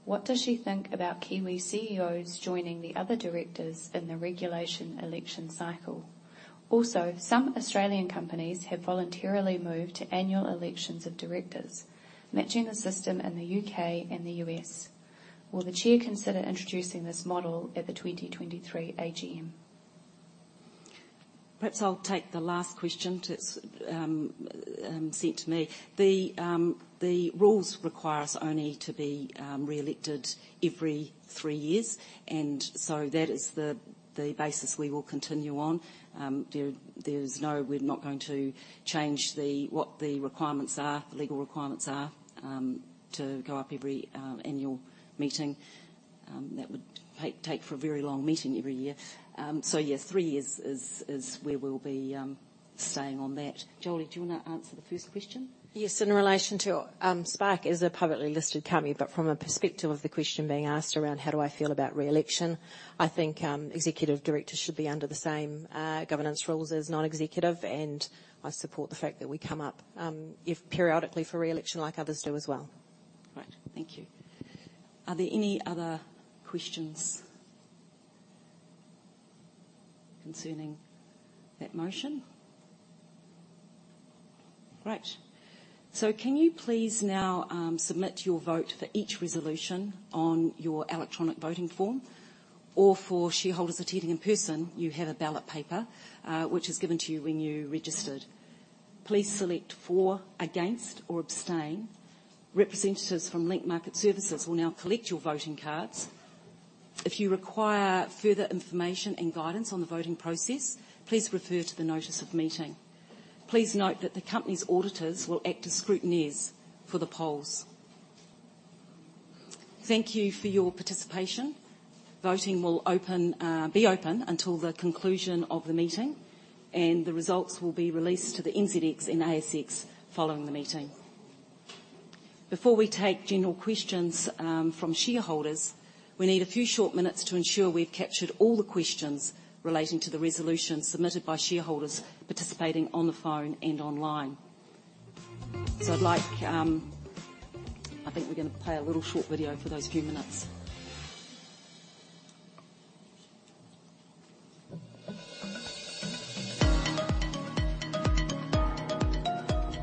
What does she think about Kiwi CEOs joining the other directors in the regular election cycle? Also, some Australian companies have voluntarily moved to annual elections of directors, matching the system in the U.K. and the U.S. Will the chair consider introducing this model at the 2023 AGM? Perhaps I'll take the last question sent to me. The rules require us only to be reelected every three years, and that is the basis we will continue on. We're not going to change what the legal requirements are to go up every annual meeting. That would make for a very long meeting every year. Yeah, three years is where we'll be staying on that. Jolie, do you wanna answer the first question? Yes, in relation to, Spark is a publicly listed company, but from a perspective of the question being asked around how do I feel about reelection. I think, executive directors should be under the same, governance rules as non-executive, and I support the fact that we come up, if periodically for reelection like others do as well. Right. Thank you. Are there any other questions concerning that motion? Great. Can you please now submit your vote for each resolution on your electronic voting form? For shareholders attending in person, you have a ballot paper which is given to you when you registered. Please select for, against, or abstain. Representatives from Link Market Services will now collect your voting cards. If you require further information and guidance on the voting process, please refer to the notice of meeting. Please note that the company's auditors will act as scrutineers for the polls. Thank you for your participation. Voting will be open until the conclusion of the meeting, and the results will be released to the NZX and ASX following the meeting. Before we take general questions from shareholders, we need a few short minutes to ensure we've captured all the questions relating to the resolutions submitted by shareholders participating on the phone and online. I'd like, I think we're gonna play a little short video for those few minutes.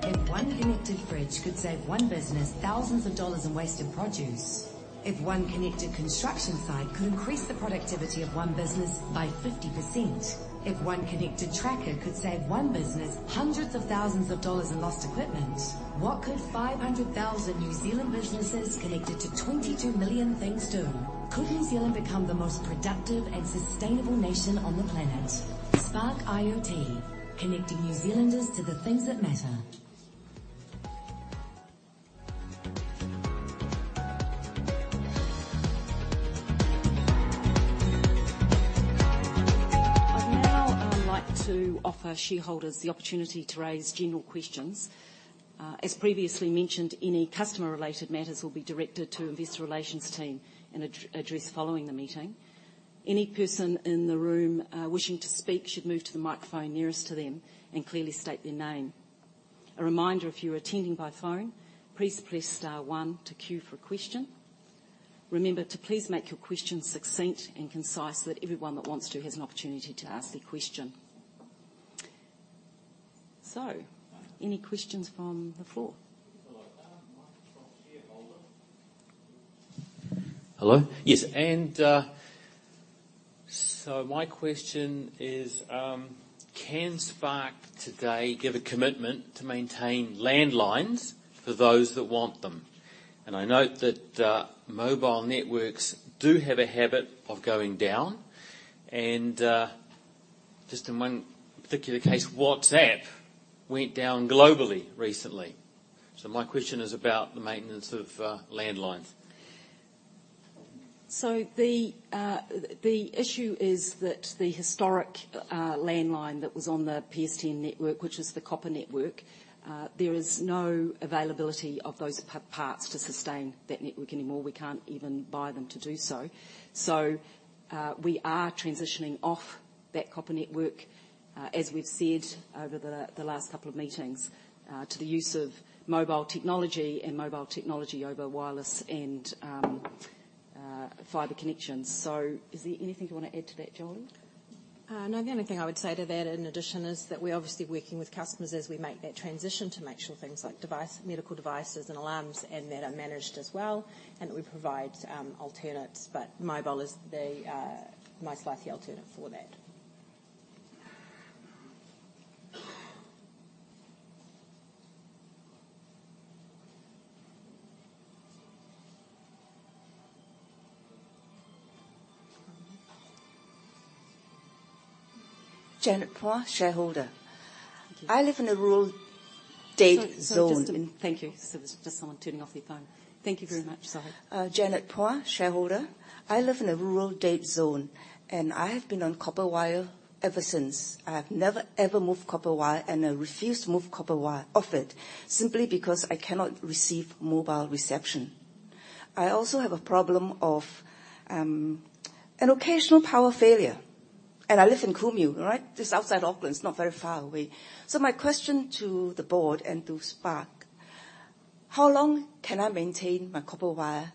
If one connected fridge could save one business thousands of New Zealand dollars in wasted produce. If one connected construction site could increase the productivity of one business by 50%. If one connected tracker could save one business hundreds of thousands of New Zealand dollars in lost equipment. What could 500,000 New Zealand businesses connected to 22 million things do? Could New Zealand become the most productive and sustainable nation on the planet? Spark IoT: Connecting New Zealanders to the things that matter. I'd now like to offer shareholders the opportunity to raise general questions. As previously mentioned, any customer related matters will be directed to investor relations team and addressed following the meeting. Any person in the room wishing to speak should move to the microphone nearest to them and clearly state their name. A reminder if you're attending by phone, please press star one to queue for a question. Remember to please make your questions succinct and concise so that everyone that wants to has an opportunity to ask their question. Any questions from the floor? Hello. Mike Proctor, Shareholder. Hello? Yes. My question is, can Spark today give a commitment to maintain landlines for those that want them? I note that mobile networks do have a habit of going down. Just in one particular case, WhatsApp went down globally recently. My question is about the maintenance of landlines. The issue is that the historic landline that was on the PSTN network, which is the copper network, there is no availability of those parts to sustain that network anymore. We can't even buy them to do so. We are transitioning off that copper network, as we've said over the last couple of meetings, to the use of mobile technology over wireless and fiber connections. Is there anything you want to add to that, Jolie? No. The only thing I would say to that in addition is that we're obviously working with customers as we make that transition to make sure things like medical devices and alarms and that are managed as well, and that we provide alternatives. Mobile is the most likely alternative for that. Janet Pua, Shareholder. Thank you. I live in a rural data zone. Sorry. Sorry. Thank you. There's just someone turning off their phone. Thank you very much, sorry. Janet Pua, shareholder. I live in a rural data zone, and I have been on copper wire ever since. I have never ever moved copper wire, and I refuse to move copper wire off it simply because I cannot receive mobile reception. I also have a problem of an occasional power failure. I live in Kumeu, all right? Just outside Auckland, it's not very far away. My question to the board and to Spark: How long can I maintain my copper wire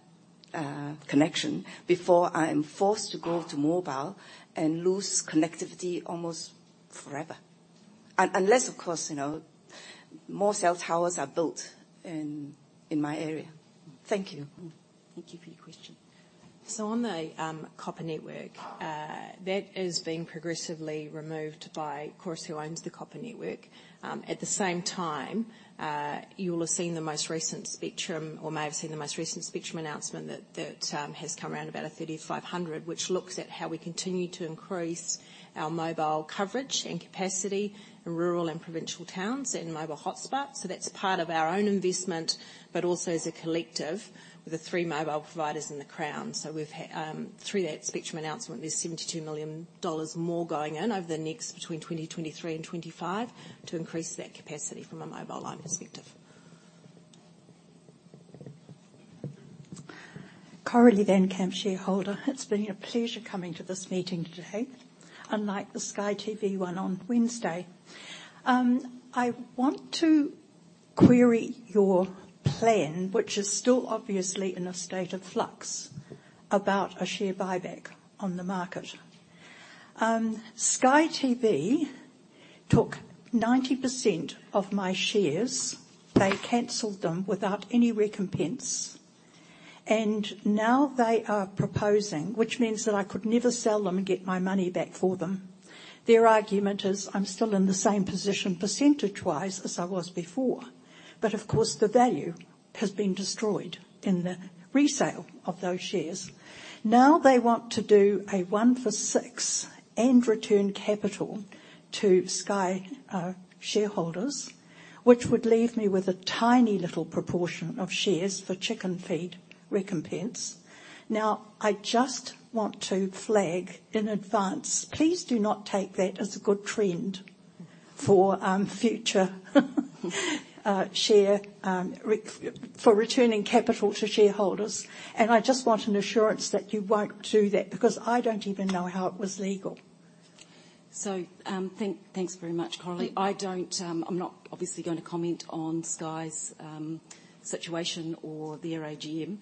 connection before I'm forced to go to mobile and lose connectivity almost forever? Unless, of course, you know, more cell towers are built in my area. Thank you. Thank you for your question. On the copper network that is being progressively removed by, of course, who owns the copper network. At the same time, you'll have seen the most recent spectrum, or may have seen the most recent spectrum announcement that has come around about a 3,500, which looks at how we continue to increase our mobile coverage and capacity in rural and provincial towns and mobile hotspots. That's part of our own investment, but also as a collective with the three mobile providers in the Crown. We've through that spectrum announcement, there's NZD 72 million more going in over the next between 2023 and 2025 to increase that capacity from a mobile line perspective. Coralie Van Camp, shareholder. It's been a pleasure coming to this meeting today, unlike the Sky TV one on Wednesday. I want to query your plan, which is still obviously in a state of flux, about a share buyback on the market. Sky TV took 90% of my shares. They canceled them without any recompense. Now they are proposing, which means that I could never sell them and get my money back for them. Their argument is I'm still in the same position percentage-wise as I was before. Of course, the value has been destroyed in the resale of those shares. Now they want to do a one for six and return capital to Sky shareholders, which would leave me with a tiny little proportion of shares for chicken feed recompense. Now I just want to flag in advance, please do not take that as a good trend for future share repurchase for returning capital to shareholders. I just want an assurance that you won't do that because I don't even know how it was legal. Thanks very much, Coralie. I don't. I'm not obviously going to comment on Sky's situation or their AGM,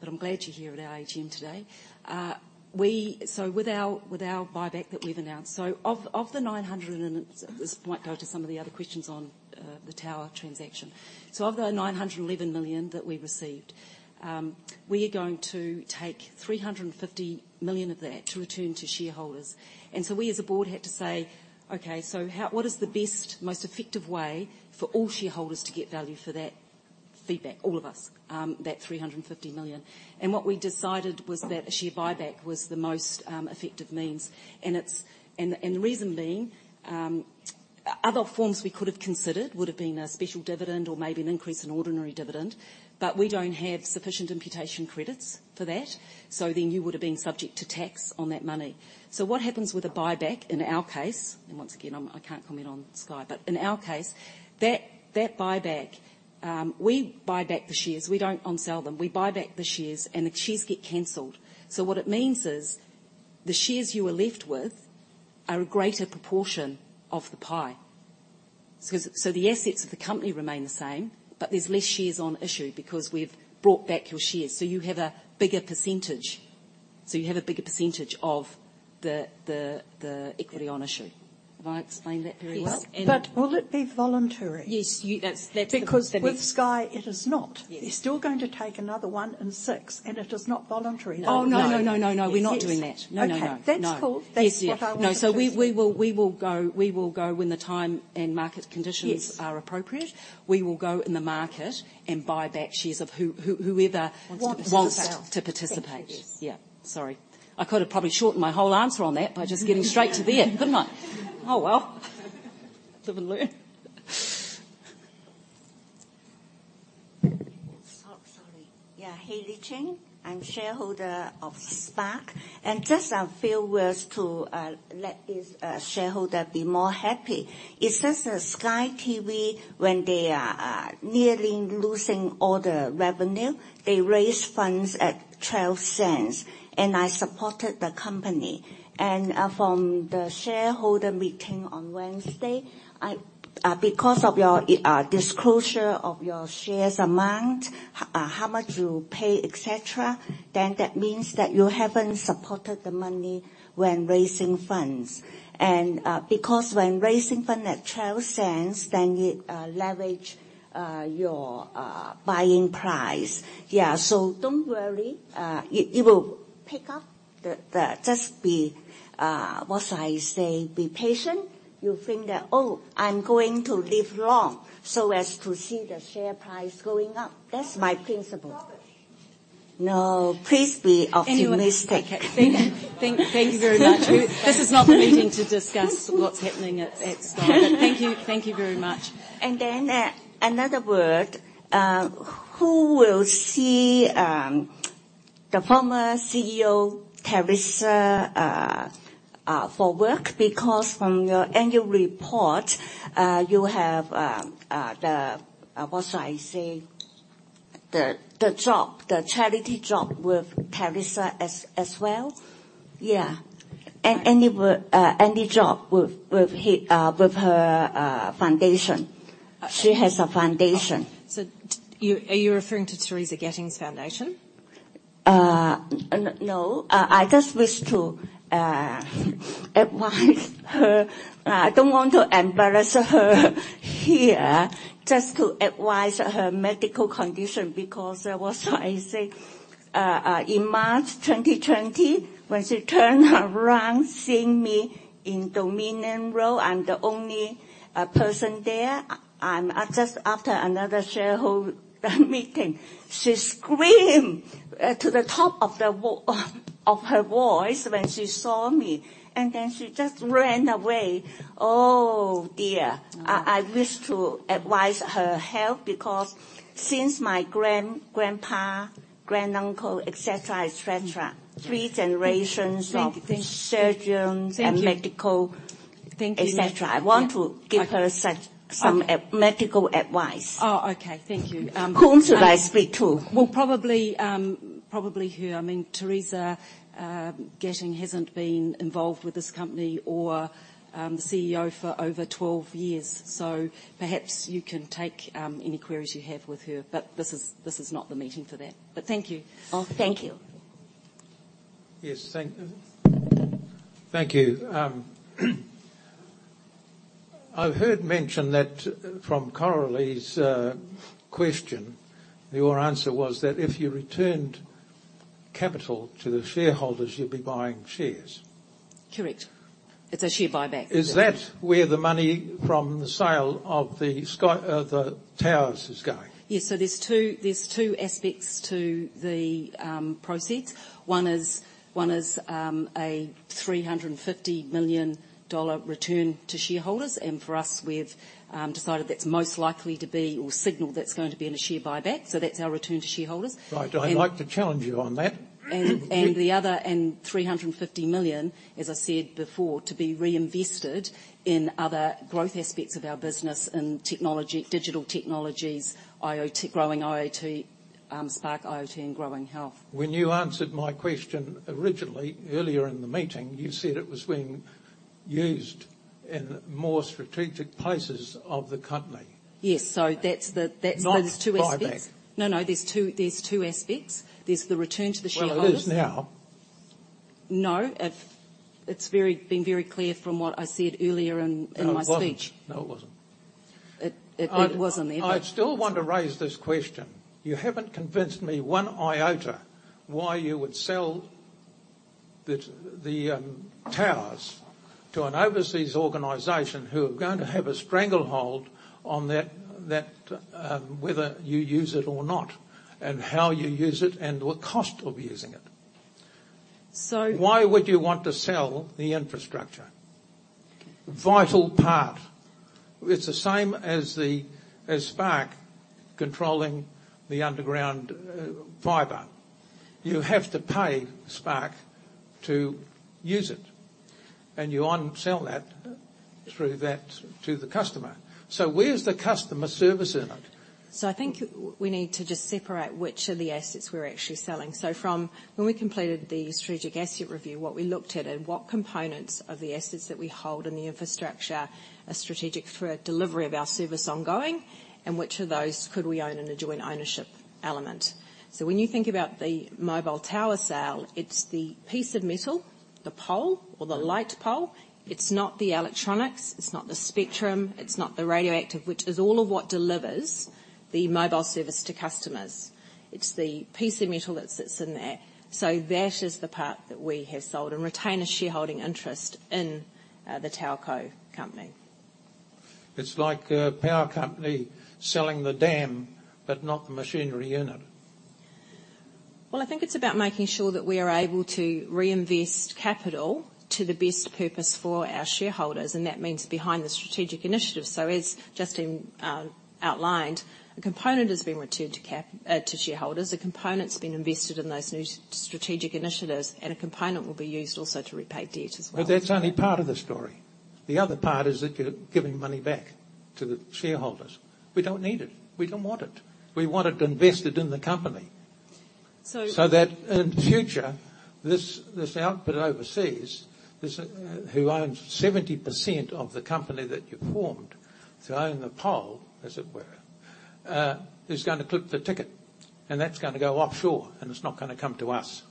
but I'm glad you're here at our AGM today. With our buyback that we've announced. This might go to some of the other questions on the tower transaction. Of the 911 million that we received, we are going to take 350 million of that to return to shareholders. We as a board had to say, "Okay, so how. What is the best, most effective way for all shareholders to get value for that feedback?" All of us, that 350 million. What we decided was that a share buyback was the most effective means, and it's. The reason being, other forms we could have considered would have been a special dividend or maybe an increase in ordinary dividend, but we don't have sufficient imputation credits for that, so then you would have been subject to tax on that money. What happens with a buyback, in our case, and once again I can't comment on Sky, but in our case, that buyback, we buy back the shares. We don't onsell them. We buy back the shares, and the shares get canceled. What it means is, the shares you are left with are a greater proportion of the pie. The assets of the company remain the same, but there's less shares on issue because we've brought back your shares, so you have a bigger percentage. You have a bigger percentage of the equity on issue. Have I explained that very well? Yes. Will it be voluntary? Yes. That's the Because with Sky, it is not. Yes. They're still going to take another one in six, and it is not voluntary. Oh, no. No. No, no, no. We're not doing that. Yes. No, no. Okay. No. That's cool. Yes. Yeah. That's what I wanted to hear. No, we will go when the time and market conditions- Yes are appropriate. We will go in the market and buy back shares of whoever. Wants to sell. wants to participate. Thank you. Yeah. Sorry. I could have probably shortened my whole answer on that by just getting straight to there, couldn't I? Oh, well. Live and learn. Sorry. Yeah. Hailey Cheng. I'm shareholder of Spark. Just a few words to let this shareholder be more happy. It says that Sky TV, when they are nearly losing all the revenue, they raised funds at 0.12, and I supported the company. From the shareholder meeting on Wednesday, because of your disclosure of your shares amount, how much you pay, et cetera, then that means that you haven't supported the money when raising funds. Because when raising fund at 0.12, then you leverage your buying price. Don't worry. It will pick up. Just be what I say. Be patient. You think that, "Oh, I'm going to live long so as to see the share price going up." That's my principle. Rob it. No, please be optimistic. Thank you very much. This is not the meeting to discuss what's happening at Sky. Thank you. Thank you very much. Another word. Who will see the former CEO, Theresa, for work? Because from your annual report, you have the what should I say? The job, the charity job with Theresa as well. Yeah. Any job with her foundation. She has a foundation. Are you referring to Theresa Gattung's foundation? No. I just wish to advise her. I don't want to embarrass her here. Just to advise her medical condition because, what should I say? In March 2020, when she turned around, seeing me in Dominion Road, I'm the only person there, just after another shareholder meeting. She screamed to the top of her voice when she saw me, and then she just ran away. Oh, dear. Oh. I wish to advise her health because since my grand-grandpa, granduncle, et cetera, et cetera. Mm. Three generations of- Thank you. Thank you.... surgeons- Thank you. and medical Thank you. Et cetera. Yeah. I want to give her such- I- Some medical advice. Oh, okay. Thank you. Whom should I speak to? Well, probably her. I mean, Theresa Gattung hasn't been involved with this company as the CEO for over 12 years, so perhaps you can take any queries you have with her. This is not the meeting for that. Thank you. Oh, thank you. Mm-hmm. Yes. Thank you. I've heard mention that from Coralie's question, your answer was that if you returned capital to the shareholders, you'd be buying shares. Correct. It's a share buyback. Yeah. Is that where the money from the sale of the Sky, the towers is going? Yes. There are two aspects to the proceeds. One is a 350 million dollar return to shareholders. For us, we've decided that's most likely to be, or signaled that's going to be in a share buyback. That's our return to shareholders. Right. I'd like to challenge you on that. the other 350 million, as I said before, to be reinvested in other growth aspects of our business in technology, digital technologies, IoT, growing IoT, Spark IoT, and growing health. When you answered my question originally, earlier in the meeting, you said it was being used in more strategic places of the company. Yes. That's one of the two aspects. Not buyback. No, no. There's two aspects. There's the return to the shareholder. Well, it is now. No. It's been very clear from what I said earlier in my speech. No, it wasn't. It wasn't, Ewan. I still want to raise this question. You haven't convinced me one iota why you would sell the towers to an overseas organization who are going to have a stranglehold on that, whether you use it or not, and how you use it, and what cost of using it. So- Why would you want to sell the infrastructure? Vital part. It's the same as Spark controlling the underground fiber. You have to pay Spark to use it, and you on sell that through that to the customer. Where's the customer service in it? I think we need to just separate which of the assets we're actually selling. From when we completed the strategic asset review, what we looked at and what components of the assets that we hold in the infrastructure are strategic for delivery of our service ongoing, and which of those could we own in a joint ownership element. When you think about the mobile tower sale, it's the piece of metal, the pole, or the light pole. It's not the electronics, it's not the spectrum, it's not the radio actives, which is all of what delivers the mobile service to customers. It's the piece of metal that sits in there. That is the part that we have sold and retain a shareholding interest in the TowerCo. It's like a power company selling the dam, but not the machinery in it. Well, I think it's about making sure that we are able to reinvest capital to the best purpose for our shareholders, and that means behind the strategic initiatives. As Justine outlined, a component is being returned to shareholders, a component's been invested in those new strategic initiatives, and a component will be used also to repay debt as well. That's only part of the story. The other part is that you're giving money back to the shareholders. We don't need it. We don't want it. We want it invested in the company. So- that in future, this outfit overseas who owns 70% of the company that you formed to own the pole, as it were, is gonna clip the ticket, and that's gonna go offshore, and it's not gonna come to us.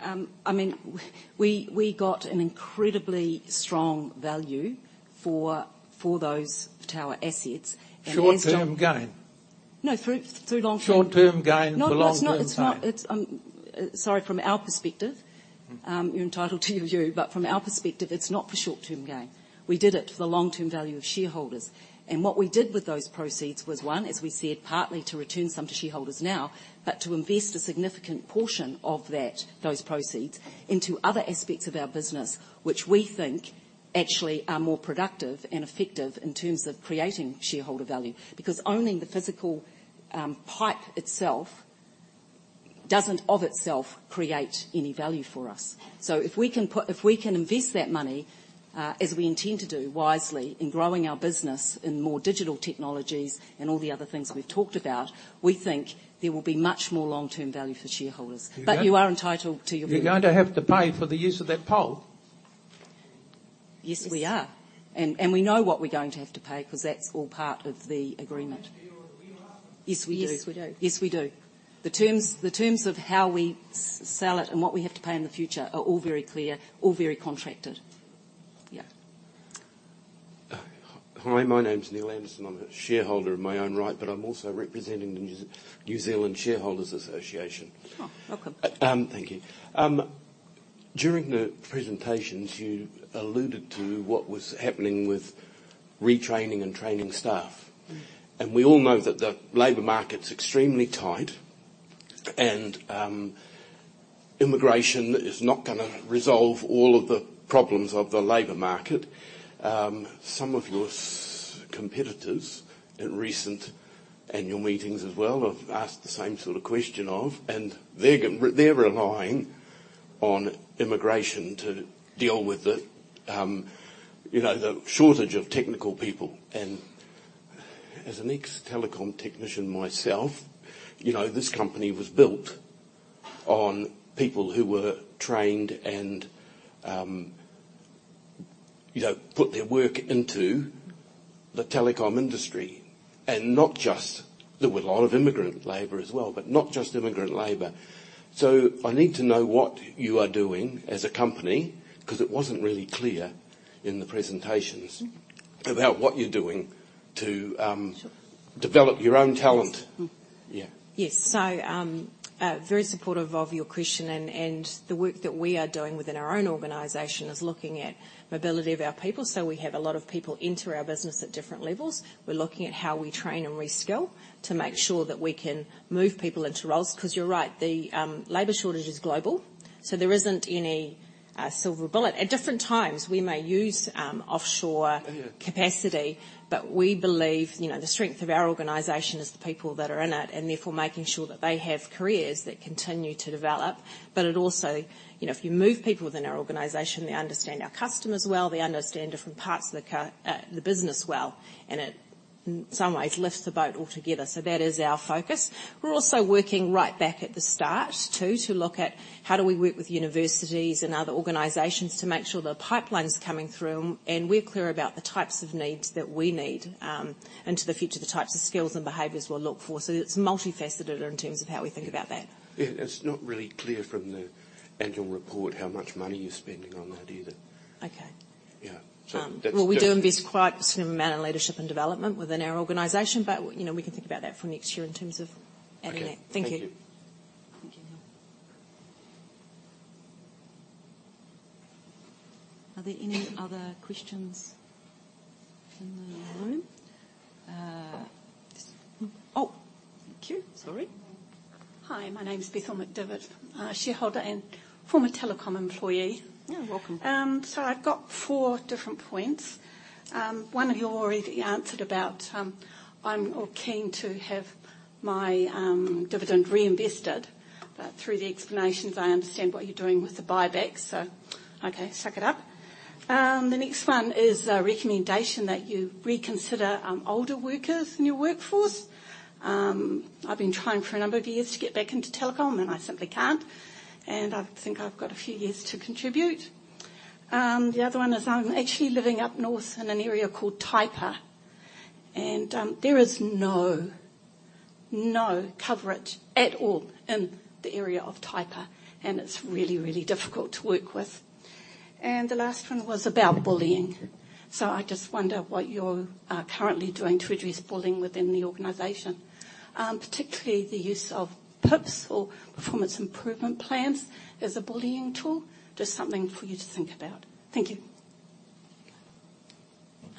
I mean, we got an incredibly strong value for those tower assets, and there's. Short-term gain. No, through long-term. Short-term gain for long-term pain. No, it's not. Sorry, from our perspective. You're entitled to your view, but from our perspective, it's not for short-term gain. We did it for the long-term value of shareholders. What we did with those proceeds was, one, as we said, partly to return some to shareholders now, but to invest a significant portion of that, those proceeds into other aspects of our business, which we think actually are more productive and effective in terms of creating shareholder value. Because owning the physical pipe itself doesn't of itself create any value for us. If we can invest that money, as we intend to do wisely in growing our business in more digital technologies and all the other things we've talked about, we think there will be much more long-term value for shareholders. But- You are entitled to your view. You're going to have to pay for the use of that pole. Yes, we are. We know what we're going to have to pay 'cause that's all part of the agreement. You don't actually know what we are. Yes, we do. Yes, we do. Yes, we do. The terms of how we sell it and what we have to pay in the future are all very clear, all very contracted. Yeah. Hi. My name's Neil Anderson. I'm a shareholder in my own right, but I'm also representing the New Zealand Shareholders' Association. Oh, welcome. Thank you. During the presentations, you alluded to what was happening with retraining and training staff. Mm-hmm. We all know that the labor market's extremely tight and immigration is not gonna resolve all of the problems of the labor market. Some of your competitors at recent annual meetings as well have asked the same sort of question of, and they're relying on immigration to deal with the, you know, the shortage of technical people. As an ex-Telecom technician myself, you know, this company was built on people who were trained and, you know, put their work into the telecom industry, and not just immigrant labor. There were a lot of immigrant labor as well, but not just immigrant labor. I need to know what you are doing as a company, 'cause it wasn't really clear in the presentations. Mm-hmm about what you're doing to Sure Develop your own talent. Mm. Yeah. Very supportive of your question and the work that we are doing within our own organization is looking at mobility of our people. We have a lot of people enter our business at different levels. We're looking at how we train and reskill to make sure that we can move people into roles. 'Cause you're right, the labor shortage is global, so there isn't any silver bullet. At different times, we may use offshore- Yeah... capacity, we believe, you know, the strength of our organization is the people that are in it, and therefore making sure that they have careers that continue to develop. It also, you know, if you move people within our organization, they understand our customers well, they understand different parts of the business well, and it in some ways lifts the boat altogether. That is our focus. We're also working right back at the start too, to look at how do we work with universities and other organizations to make sure the pipeline's coming through, and we're clear about the types of needs that we need into the future, the types of skills and behaviors we'll look for. It's multifaceted in terms of how we think about that. Yeah. It's not really clear from the annual report how much money you're spending on that, either. Okay. Yeah. Well, we do invest quite a significant amount on leadership and development within our organization, but, you know, we can think about that for next year in terms of adding that. Okay. Thank you. Thank you. Thank you. Are there any other questions in the room? Oh, thank you. Sorry. Hi, my name is Bethel McDevitt, shareholder and former Telecom employee. Yeah, welcome. I've got four different points. One you already answered about, I'm all keen to have my dividend reinvested. Through the explanations, I understand what you're doing with the buyback. Okay, suck it up. The next one is a recommendation that you reconsider older workers in your workforce. I've been trying for a number of years to get back into Telecom, and I simply can't, and I think I've got a few years to contribute. The other one is I'm actually living up north in an area called Taipa, and there is no coverage at all in the area of Taipa, and it's really difficult to work with. The last one was about bullying. I just wonder what you're currently doing to address bullying within the organization, particularly the use of PIPs, or Performance Improvement Plans, as a bullying tool. Just something for you to think about. Thank you.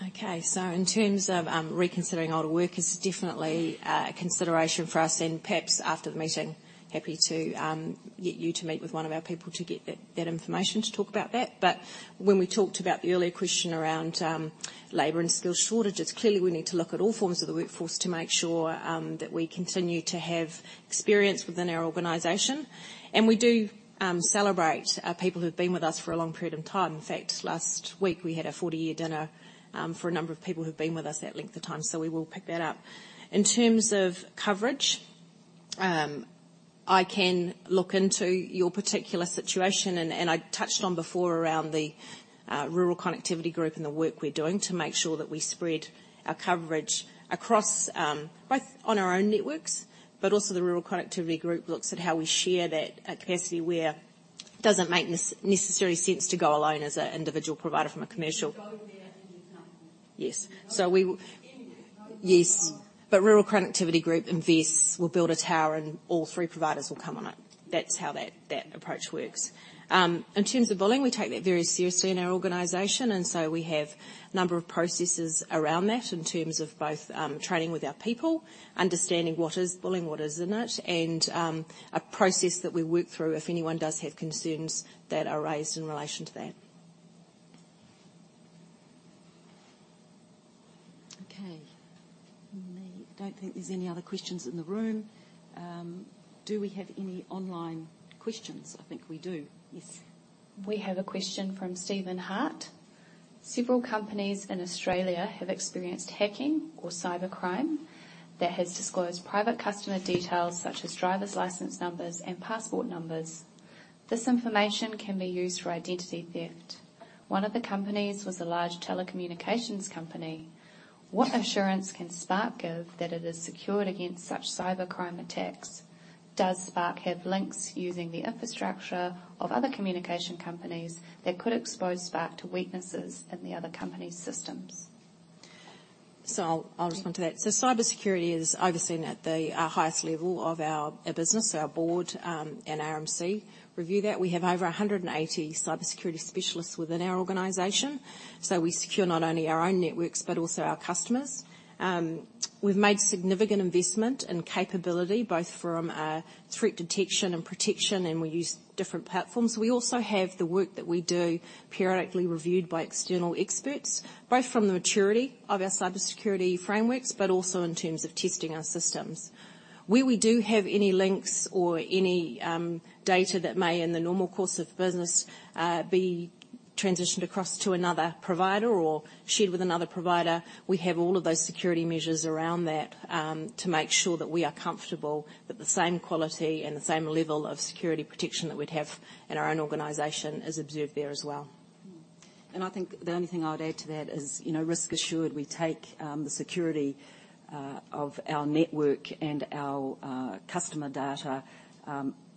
Okay. In terms of reconsidering older workers, definitely a consideration for us. Perhaps after the meeting, happy to get you to meet with one of our people to get that information to talk about that. When we talked about the earlier question around labor and skill shortages, clearly, we need to look at all forms of the workforce to make sure that we continue to have experience within our organization. We do celebrate people who've been with us for a long period of time. In fact, last week we had our 40-year dinner for a number of people who've been with us that length of time. We will pick that up. In terms of coverage, I can look into your particular situation and I touched on before around the Rural Connectivity Group and the work we're doing to make sure that we spread our coverage across both on our own networks, but also the Rural Connectivity Group looks at how we share that capacity where it doesn't make necessarily sense to go alone as an individual provider from a commercial- You go there and you come home. Yes. In, in- Rural Connectivity Group invests. We'll build a tower, and all three providers will come on it. That's how that approach works. In terms of bullying, we take that very seriously in our organization, and so we have a number of processes around that in terms of both, training with our people, understanding what is bullying, what isn't it, and a process that we work through if anyone does have concerns that are raised in relation to that. Okay. I don't think there's any other questions in the room. Do we have any online questions? I think we do. Yes. We have a question from Steven Hart. "Several companies in Australia have experienced hacking or cybercrime that has disclosed private customer details such as driver's license numbers and passport numbers. This information can be used for identity theft. One of the companies was a large telecommunications company. What assurance can Spark give that it is secured against such cybercrime attacks? Does Spark have links using the infrastructure of other communication companies that could expose Spark to weaknesses in the other company's systems? I'll respond to that. Cybersecurity is overseen at our highest level of our business. Our board and our MC review that. We have over 180 cybersecurity specialists within our organization. We secure not only our own networks but also our customers. We've made significant investment in capability, both from a threat detection and protection, and we use different platforms. We also have the work that we do periodically reviewed by external experts, both from the maturity of our cybersecurity frameworks but also in terms of testing our systems. Where we do have any links or any data that may in the normal course of business be transitioned across to another provider or shared with another provider, we have all of those security measures around that to make sure that we are comfortable that the same quality and the same level of security protection that we'd have in our own organization is observed there as well. I think the only thing I'd add to that is, you know, risk assurance. We take the security of our network and our customer data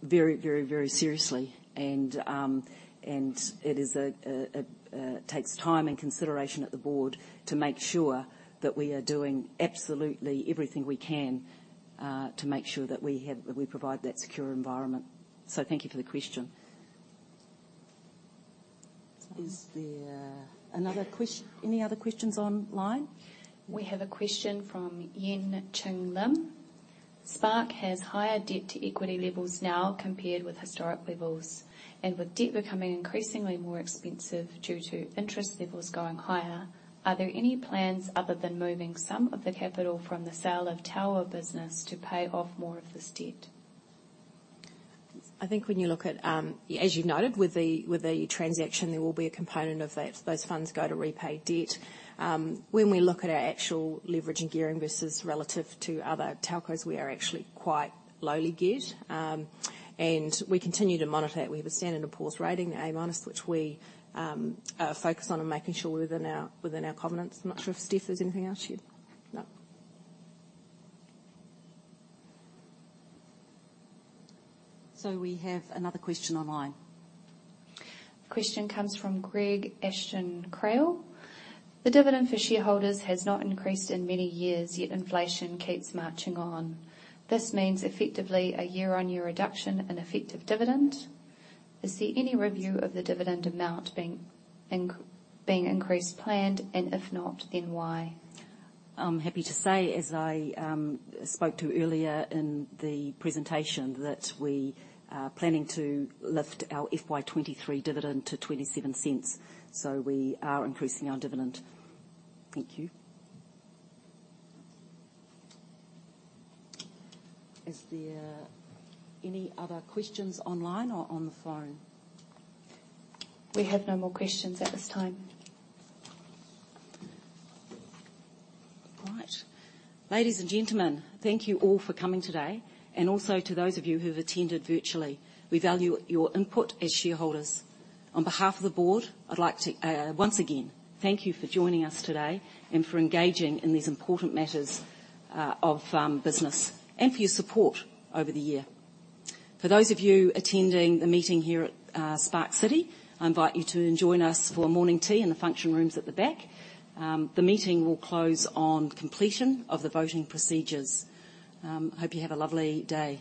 very seriously. It takes time and consideration at the board to make sure that we are doing absolutely everything we can to make sure that we provide that secure environment. Thank you for the question. Is there any other questions online? We have a question from Yin Chung Lim. "Spark has higher debt-to-equity levels now compared with historic levels. With debt becoming increasingly more expensive due to interest levels going higher, are there any plans other than moving some of the capital from the sale of tower business to pay off more of this debt? I think when you look at, as you noted, with the transaction, there will be a component of that. Those funds go to repay debt. When we look at our actual leverage and gearing versus relative to other telcos, we are actually quite lowly geared. We continue to monitor it. We have a Standard & Poor's rating, A-, which we focus on making sure we're within our covenants. I'm not sure if, Stefan, there's anything else you'd say. No. We have another question online. Question comes from Greg Ashton-Crail. "The dividend for shareholders has not increased in many years, yet inflation keeps marching on. This means, effectively, a year-on-year reduction in effective dividend. Is there any review of the dividend amount being increased planned, and if not, then why? I'm happy to say, as I spoke to earlier in the presentation, that we are planning to lift our FY 2023 dividend to 0.27. We are increasing our dividend. Thank you. Is there any other questions online or on the phone? We have no more questions at this time. All right. Ladies and gentlemen, thank you all for coming today, and also to those of you who have attended virtually. We value your input as shareholders. On behalf of the board, I'd like to once again thank you for joining us today and for engaging in these important matters of business, and for your support over the year. For those of you attending the meeting here at Spark City, I invite you to join us for morning tea in the function rooms at the back. The meeting will close on completion of the voting procedures. Hope you have a lovely day.